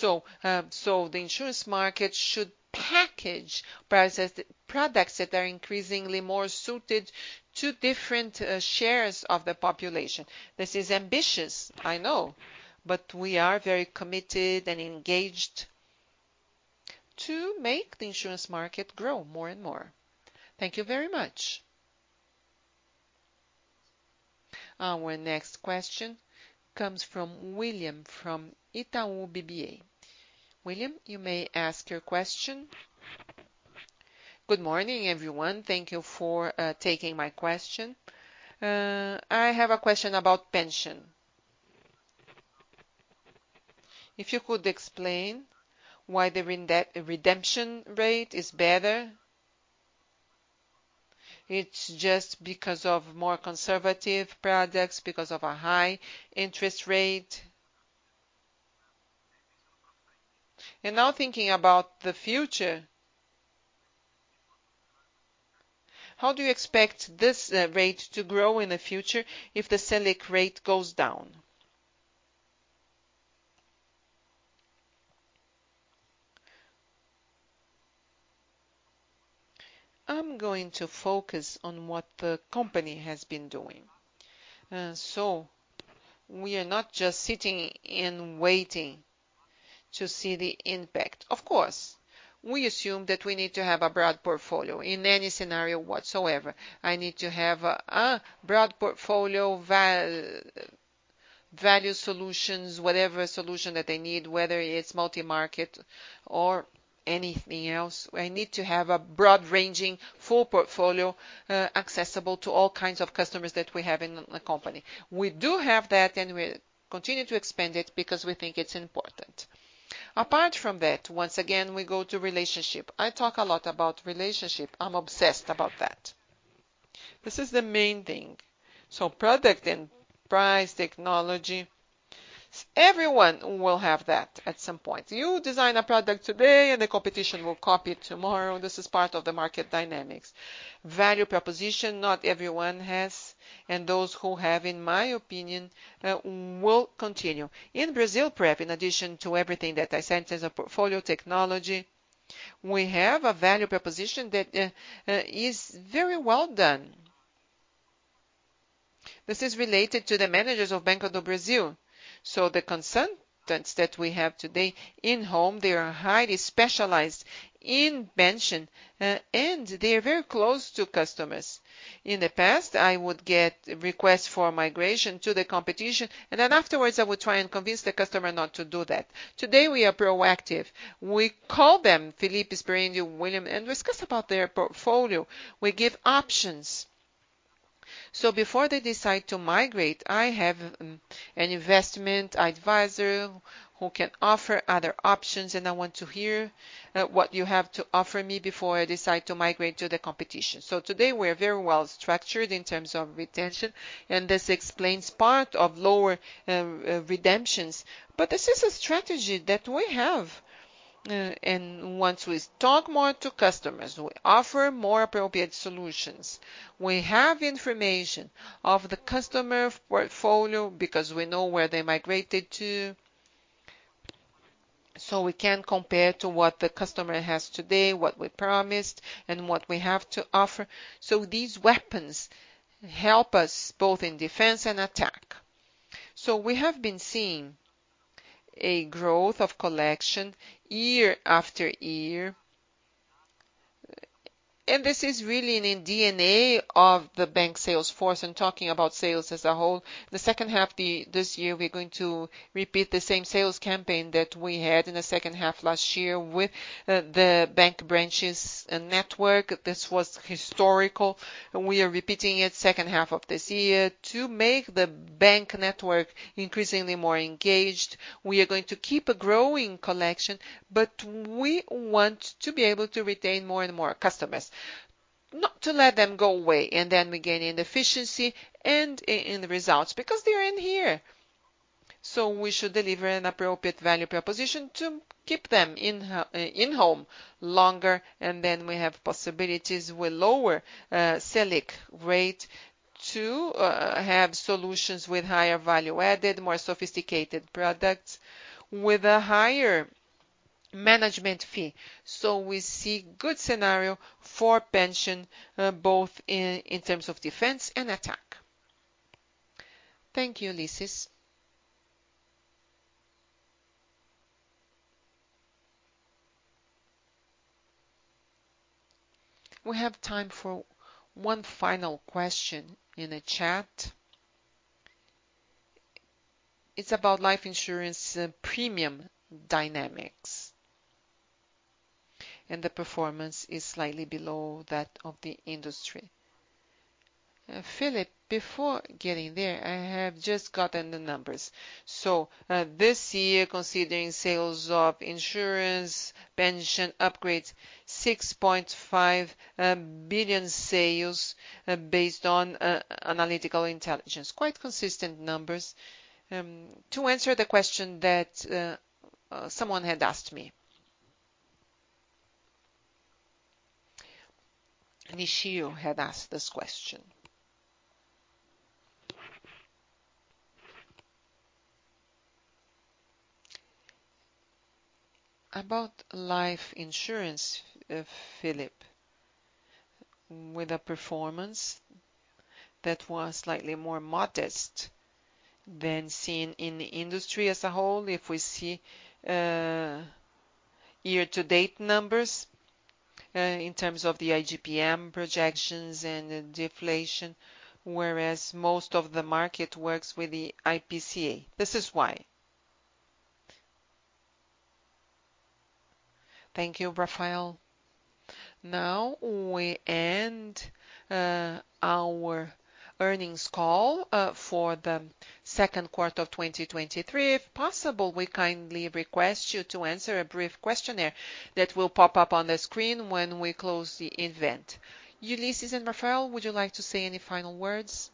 The insurance market should package products that are increasingly more suited to different shares of the population. This is ambitious, I know, but we are very committed and engaged to make the insurance market grow more and more. Thank you very much. Our next question comes from William, from Itaú BBA. William, you may ask your question. Good morning, everyone. Thank you for taking my question. I have a question about pension. If you could explain why the redemption rate is better, it's just because of more conservative products, because of a high interest rate? Now, thinking about the future, how do you expect this rate to grow in the future if the Selic rate goes down? I'm going to focus on what the company has been doing. We are not just sitting and waiting to see the impact. Of course, we assume that we need to have a broad portfolio in any scenario whatsoever. I need to have a broad portfolio value solutions, whatever solution that they need, whether it's multi-market or anything else. I need to have a broad-ranging full portfolio, accessible to all kinds of customers that we have in the company. We do have that, and we continue to expand it because we think it's important. Apart from that, once again, we go to relationship. I talk a lot about relationship. I'm obsessed about that. This is the main thing. Product and price, technology, everyone will have that at some point. You design a product today and the competition will copy it tomorrow. This is part of the market dynamics. Value proposition, not everyone has, and those who have, in my opinion, will continue. In Brasilprev, in addition to everything that I said, in terms of portfolio technology, we have a value proposition that is very well done. This is related to the managers of Banco do Brasil. The consultants that we have today in home, they are highly specialized in pension, and they are very close to customers. In the past, I would get requests for migration to the competition, and then afterwards, I would try and convince the customer not to do that. Today, we are proactive. We call them Felipe, Sperendio, William, and discuss about their portfolio. We give options. Before they decide to migrate, I have an investment advisor who can offer other options, and I want to hear what you have to offer me before I decide to migrate to the competition. Today, we're very well structured in terms of retention, and this explains part of lower redemptions. This is a strategy that we have, and once we talk more to customers, we offer more appropriate solutions. We have information of the customer portfolio because we know where they migrated to, so we can compare to what the customer has today, what we promised, and what we have to offer. These weapons help us both in defense and attack. We have been seeing a growth of collection year after year, and this is really in the DNA of the bank sales force and talking about sales as a whole. The second half this year, we're going to repeat the same sales campaign that we had in the second half last year with the bank branches and network. This was historical, and we are repeating it second half of this year to make the bank network increasingly more engaged. We are going to keep a growing collection, but we want to be able to retain more and more customers, not to let them go away, and then we gain in efficiency and in the results because they are in here. We should deliver an appropriate value proposition to keep them in in-home longer, and then we have possibilities with lower Selic rate to have solutions with higher value added, more sophisticated products with a higher management fee. We see good scenario for pension, both in terms of defense and attack. Thank you, Ulysses. We have time for one final question in the chat. It's about life insurance premium dynamics, and the performance is slightly below that of the industry. Felipe, before getting there, I have just gotten the numbers. This year, considering sales of insurance, pension upgrades, 6.5 billion sales, based on analytical intelligence. Quite consistent numbers. To answer the question that someone had asked me. Nishio had asked this question. About life insurance, Felipe, with a performance that was slightly more modest than seen in the industry as a whole, if we see year-to-date numbers in terms of the IGPM projections and deflation, whereas most of the market works with the IPCA. This is why. Thank you, Rafael. Now, we end our earnings call for the second quarter of 2023. If possible, we kindly request you to answer a brief questionnaire that will pop up on the screen when we close the event. Ulisses and Rafael, would you like to say any final words?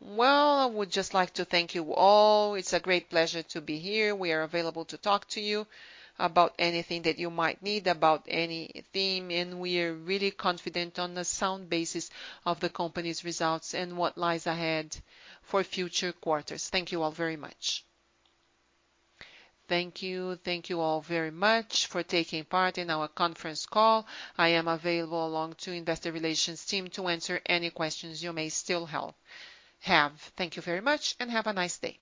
Well, I would just like to thank you all. It's a great pleasure to be here. We are available to talk to you about anything that you might need, about any theme, and we are really confident on the sound basis of the company's results and what lies ahead for future quarters. Thank you all very much. Thank you. Thank you all very much for taking part in our conference call. I am available along to investor relations team to answer any questions you may still have. Thank you very much, and have a nice day.